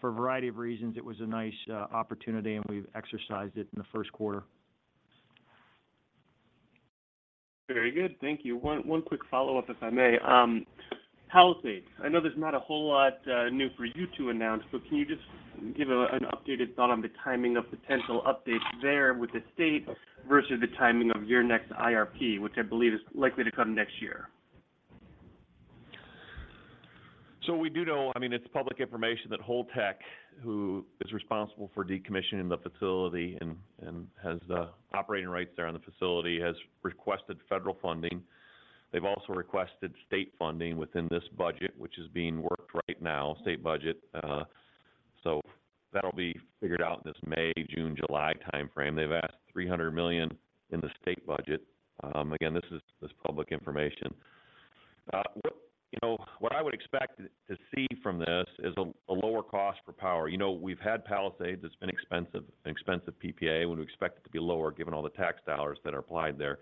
For a variety of reasons, it was a nice opportunity, and we've exercised it in the first quarter. Very good. Thank you. One quick follow-up, if I may. Palisades. I know there's not a whole lot new for you to announce, but can you just give an updated thought on the timing of potential updates there with the state versus the timing of your next IRP, which I believe is likely to come next year? We do know, I mean, it's public information that Holtec, who is responsible for decommissioning the facility and has the operating rights there on the facility, has requested federal funding. They've also requested state funding within this budget, which is being worked right now, state budget. That'll be figured out this May, June, July timeframe. They've asked $300 million in the state budget. Again, this is public information. What, you know, what I would expect to see from this is a lower cost for power. You know, we've had Palisades, it's been expensive, an expensive PPA. We would expect it to be lower given all the tax dollars that are applied there.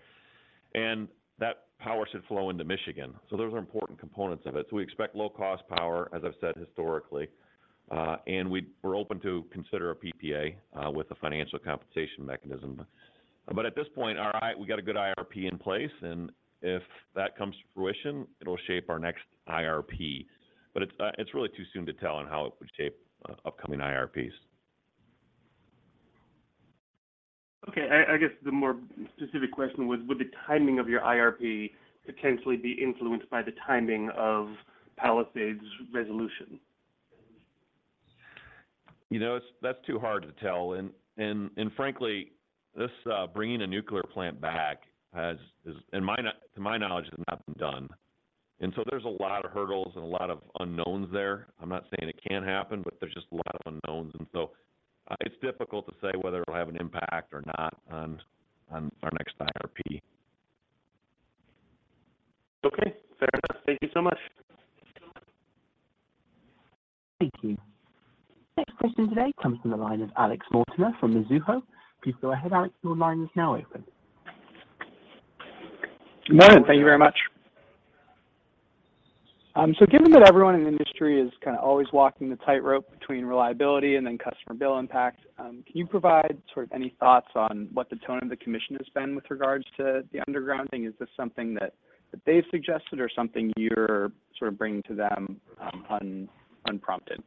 That power should flow into Michigan. Those are important components of it. We expect low cost power, as I've said historically. We're open to consider a PPA with a financial compensation mechanism. At this point, our we got a good IRP in place, and if that comes to fruition, it'll shape our next IRP. It's really too soon to tell on how it would shape upcoming IRPs. Okay. I guess the more specific question, would the timing of your IRP potentially be influenced by the timing of Palisades resolution? You know, it's that's too hard to tell. frankly, this bringing a nuclear plant back has, to my knowledge, has not been done. there's a lot of hurdles and a lot of unknowns there. I'm not saying it can't happen, there's just a lot of unknowns, it's difficult to say whether it'll have an impact or not on our next IRP. Okay. Fair enough. Thank you so much. Thank you. Next question today comes from the line of Alex Mortimer from Mizuho. Please go ahead, Alex. Your line is now open. Good morning. Thank you very much. Given that everyone in the industry is kind of always walking the tightrope between reliability and then customer bill impact, can you provide sort of any thoughts on what the tone of the commission has been with regards to the underground thing? Is this something that they've suggested or something you're sort of bringing to them unprompted?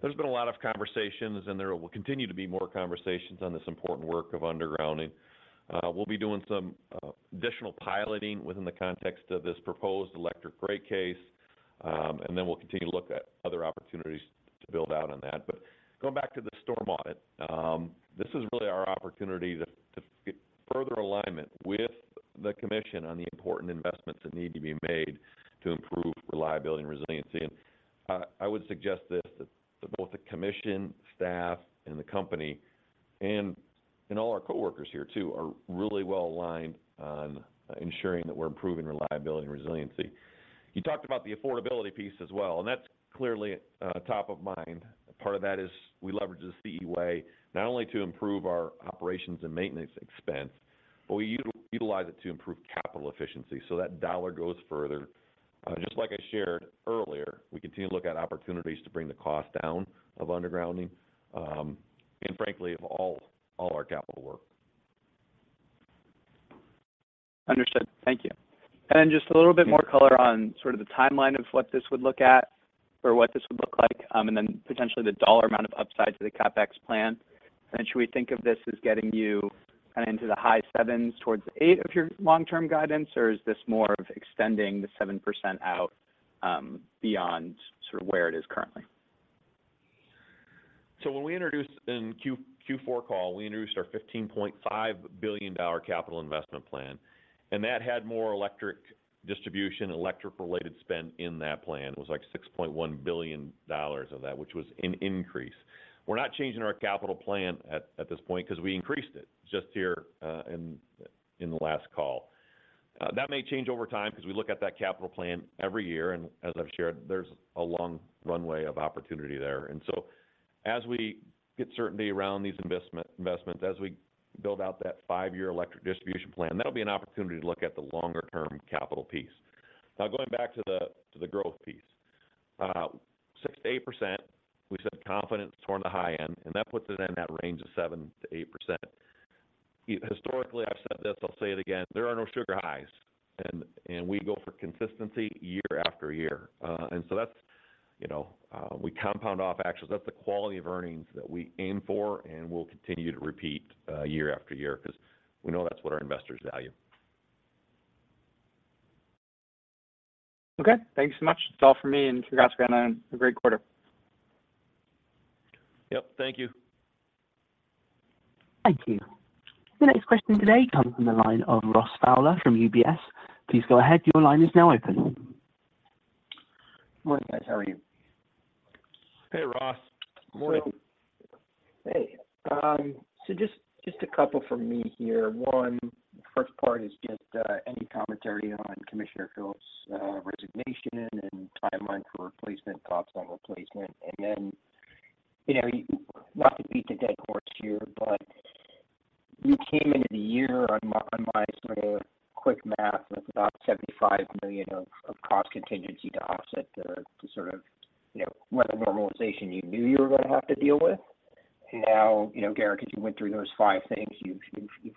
There's been a lot of conversations, there will continue to be more conversations on this important work of undergrounding. We'll be doing some additional piloting within the context of this proposed electric rate case, and then we'll continue to look at other opportunities to build out on that. Going back to the storm audit, this is really our opportunity to get further alignment with the commission on the important investments that need to be made to improve reliability and resiliency. I would suggest this, that both the commission, staff, and the company, and all our coworkers here too, are really well aligned on ensuring that we're improving reliability and resiliency. You talked about the affordability piece as well, and that's clearly top of mind. Part of that is we leverage the CE Way, not only to improve our operations and maintenance expense, we utilize it to improve capital efficiency so that dollar goes further. Just like I shared earlier, we continue to look at opportunities to bring the cost down of undergrounding, and frankly of all our capital work. Understood. Thank you. Just a little bit more color on sort of the timeline of what this would look at or what this would look like, and then potentially the dollar amount of upside to the CapEx plan. Should we think of this as getting you kind of into the high 7s towards the 8 of your long-term guidance, or is this more of extending the 7% out beyond sort of where it is currently? When we introduced in Q4 call, we introduced our $15.5 billion capital investment plan, and that had more electric distribution, electric-related spend in that plan. It was like $6.1 billion of that, which was an increase. We're not changing our capital plan at this point because we increased it just here in the last call. That may change over time because we look at that capital plan every year, and as I've shared, there's a long runway of opportunity there. As we get certainty around these investments, as we build out that five-year Electric Distribution Plan, that'll be an opportunity to look at the longer term capital piece. Going back to the growth piece. 6%-8%, we said confidence toward the high end, that puts it in that range of 7%-8%. Historically, I've said this, I'll say it again, there are no sugar highs and we go for consistency year after year. That's, you know, we compound off actually. That's the quality of earnings that we aim for and will continue to repeat, year after year 'cause we know that's what our investors value. Okay. Thank you so much. That's all for me. Congrats again on a great quarter. Yep, thank you. Thank you. The next question today comes from the line of Ross Fowler from UBS. Please go ahead, your line is now open. Morning, guys, how are you? Hey, Ross. Morning. Hey. Just a couple from me here. One, first part is just any commentary on Commissioner Phillips' resignation and timeline for replacement, thoughts on replacement. You know, not to beat the dead horse here, you came into the year on my sort of quick math with about $75 million of cost contingency to offset the sort of, you know, weather normalization you knew you were gonna have to deal with. You know, Garrick, as you went through those five things, you've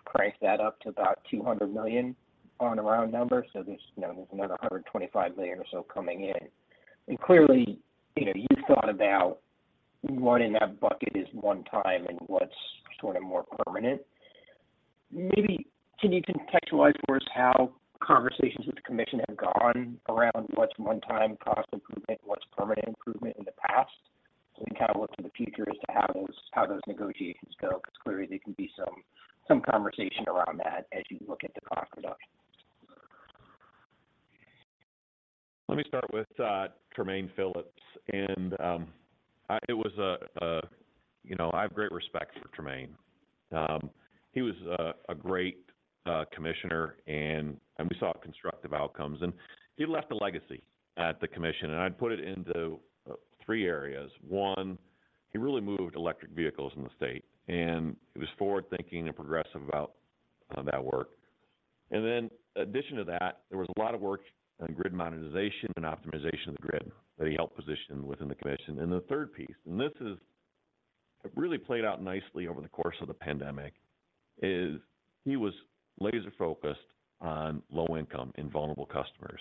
priced that up to about $200 million on a round number. There's, you know, there's another $125 million or so coming in. Clearly, you know, you've thought about what in that bucket is one time and what's sort of more permanent. Maybe can you contextualize for us how conversations with the commission have gone around what's one-time cost improvement, what's permanent improvement in the past. We can kind of look to the future as to how those negotiations go, because clearly there can be some conversation around that as you look at the cost reduction. Let me start with Tremaine Phillips. You know, I have great respect for Tremaine. He was a great commissioner, and we saw constructive outcomes. He left a legacy at the commission, and I'd put it into three areas. One, he really moved electric vehicles in the state, and he was forward-thinking and progressive about work. Then addition to that, there was a lot of work on grid monetization and optimization of the grid that he helped position within the commission. The third piece, it really played out nicely over the course of the pandemic, is he was laser-focused on low income and vulnerable customers.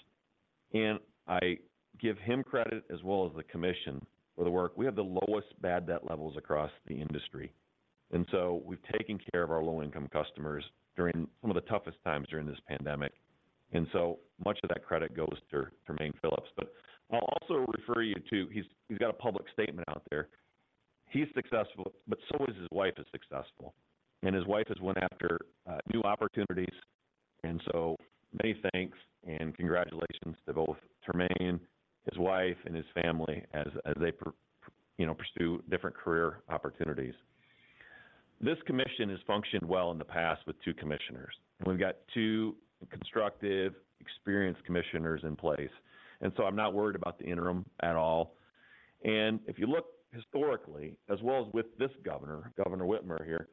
I give him credit as well as the commission for the work. We have the lowest bad debt levels across the industry. We've taken care of our low-income customers during some of the toughest times during this pandemic. Much of that credit goes to Tremaine Phillips. I'll also refer you to, he's got a public statement out there. He's successful, but so is his wife is successful. His wife has went after new opportunities. Many thanks and congratulations to both Tremaine, his wife, and his family as they you know, pursue different career opportunities. This commission has functioned well in the past with two commissioners. We've got two constructive, experienced commissioners in place. I'm not worried about the interim at all. If you look historically, as well as with this governor, Governor Whitmer here,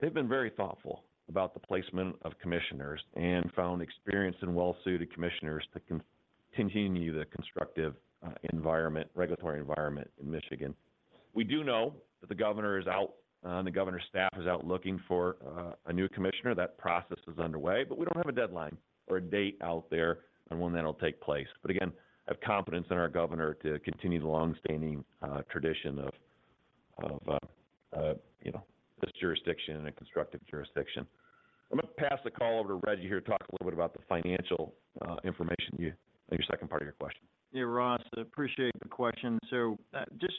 they've been very thoughtful about the placement of commissioners and found experienced and well-suited commissioners to continue the constructive environment, regulatory environment in Michigan. We do know that the governor is out and the governor's staff is out looking for a new commissioner. That process is underway, but we don't have a deadline or a date out there on when that'll take place. Again, I have confidence in our governor to continue the long-standing tradition of, you know, this jurisdiction and a constructive jurisdiction. I'm gonna pass the call over to Rejji here to talk a little bit about the financial information in your second part of your question. Yeah, Ross, appreciate the question. Just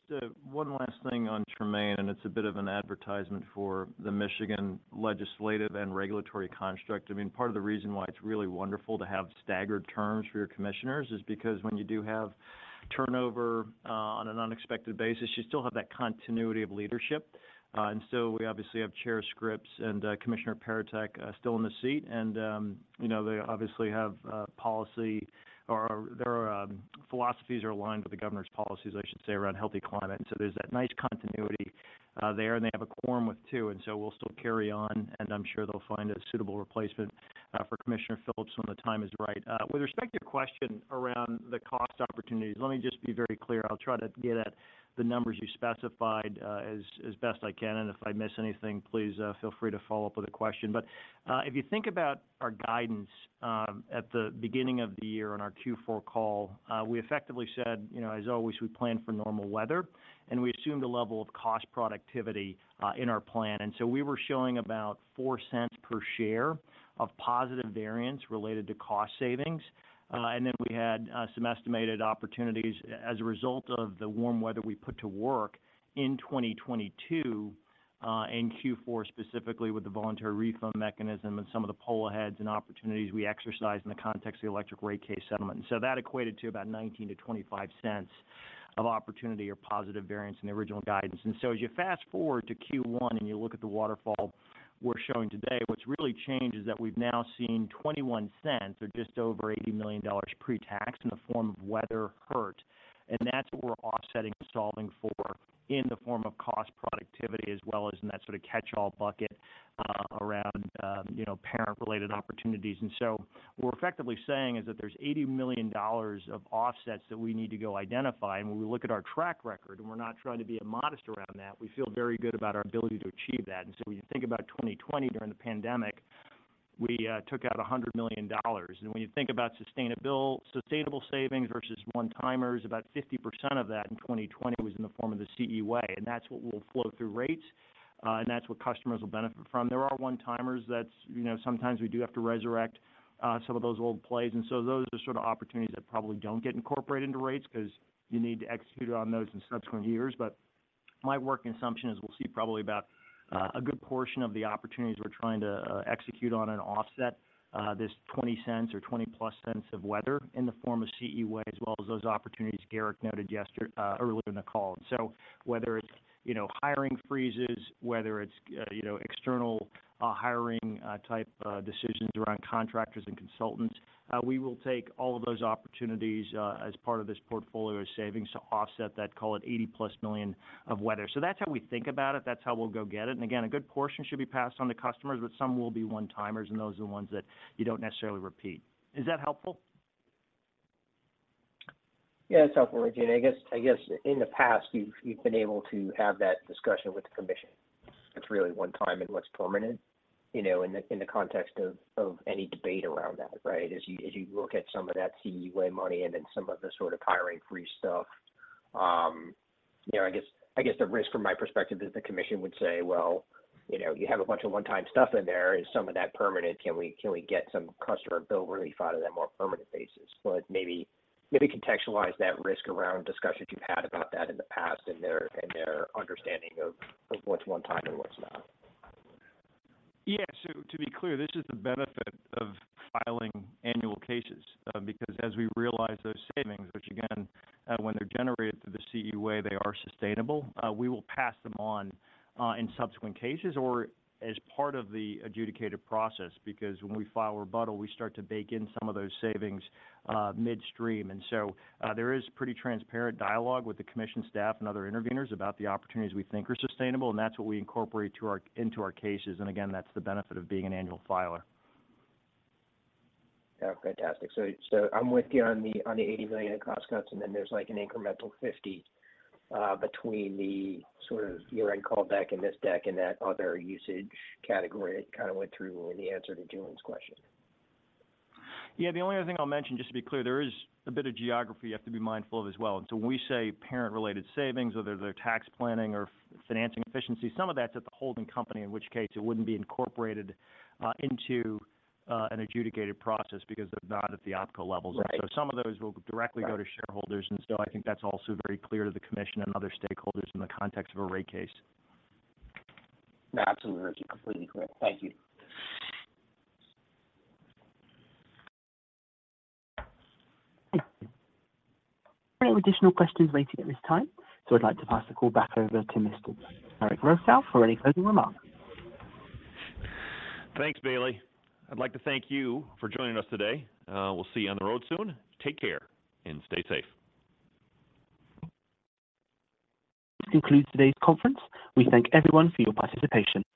one last thing on Tremaine, and it's a bit of an advertisement for the Michigan legislative and regulatory construct. I mean, part of the reason why it's really wonderful to have staggered terms for your commissioners is because when you do have turnover on an unexpected basis, you still have that continuity of leadership. We obviously have Chair Scripps and Commissioner Peretick still in the seat. You know, they obviously have policy or their philosophies are aligned with the Governor's policies, I should say, around healthy climate. There's that nice continuity there, and they have a quorum with two, and so we'll still carry on, and I'm sure they'll find a suitable replacement for Commissioner Phillips when the time is right. With respect to your question around the cost opportunities, let me just be very clear. I'll try to get at the numbers you specified, as best I can, and if I miss anything, please feel free to follow up with a question. If you think about our guidance, at the beginning of the year on our Q4 call, we effectively said, you know, as always, we plan for normal weather, and we assumed a level of cost productivity in our plan. We were showing about $0.04 per share of positive variance related to cost savings. Then we had some estimated opportunities as a result of the warm weather we put to work in 2022, in Q4 specifically with the voluntary refund mechanism and some of the pull-aheads and opportunities we exercised in the context of the electric rate case settlement. That equated to about $0.19-$0.25 of opportunity or positive variance in the original guidance. As you fast-forward to Q1 and you look at the waterfall we're showing today, what's really changed is that we've now seen $0.21 or just over $80 million pre-tax in the form of weather hurt. That's what we're offsetting and solving for in the form of cost productivity as well as in that sort of catch-all bucket, around, you know, parent-related opportunities. What we're effectively saying is that there's $80 million of offsets that we need to go identify. When we look at our track record, and we're not trying to be immodest around that, we feel very good about our ability to achieve that. When you think about 2020 during the pandemic, we took out $100 million. When you think about sustainable savings versus one-timers, about 50% of that in 2020 was in the form of the CE Way. That's what will flow through rates, and that's what customers will benefit from. There are one-timers that's, you know, sometimes we do have to resurrect some of those old plays. Those are sort of opportunities that probably don't get incorporated into rates because you need to execute on those in subsequent years. My working assumption is we'll see probably about a good portion of the opportunities we're trying to execute on an offset this $0.20 or $0.20+ of weather in the form of CE Way as well as those opportunities Garrick noted earlier in the call. Whether it's, you know, hiring freezes, whether it's, you know, external hiring type decisions around contractors and consultants, we will take all of those opportunities as part of this portfolio of savings to offset that, call it $80+ million of weather. That's how we think about it. That's how we'll go get it. Again, a good portion should be passed on to customers, but some will be one-timers, and those are the ones that you don't necessarily repeat. Is that helpful? Yeah, that's helpful, Rejji. And I guess in the past, you've been able to have that discussion with the commission. It's really one time and what's permanent, you know, in the context of any debate around that, right? As you look at some of that CE Way money and then some of the sort of hiring freeze stuff, you know, I guess the risk from my perspective is the commission would say, "Well, you know, you have a bunch of one-time stuff in there. Is some of that permanent? Can we get some customer bill relief out of that more permanent basis?" Maybe contextualize that risk around discussions you've had about that in the past and their understanding of what's one time and what's not. Yeah. To be clear, this is the benefit of filing annual cases, because as we realize those savings, which again, when they're generated through the CE Way, they are sustainable, we will pass them on in subsequent cases or as part of the adjudicated process. Because when we file rebuttal, we start to bake in some of those savings midstream. There is pretty transparent dialogue with the commission staff and other interveners about the opportunities we think are sustainable, and that's what we incorporate into our cases. Again, that's the benefit of being an annual filer. Yeah. Fantastic. I'm with you on the $80 million in cost cuts, and then there's like an incremental $50 between the sort of year-end call deck and this deck and that other usage category kind of went through in the answer to Julien's question. Yeah. The only other thing I'll mention, just to be clear, there is a bit of geography you have to be mindful of as well. When we say parent-related savings, whether they're tax planning or financing efficiency, some of that's at the holding company, in which case it wouldn't be incorporated into an adjudicated process because they're not at the optical levels. Right. Some of those will directly go to shareholders. I think that's also very clear to the commission and other stakeholders in the context of a rate case. No, absolutely. That's completely clear. Thank you. No additional questions waiting at this time, so I'd like to pass the call back over to Mr. Garrick Rochow for any closing remarks. Thanks, Bailey. I'd like to thank you for joining us today. We'll see you on the road soon. Take care and stay safe. This concludes today's conference. We thank everyone for your participation.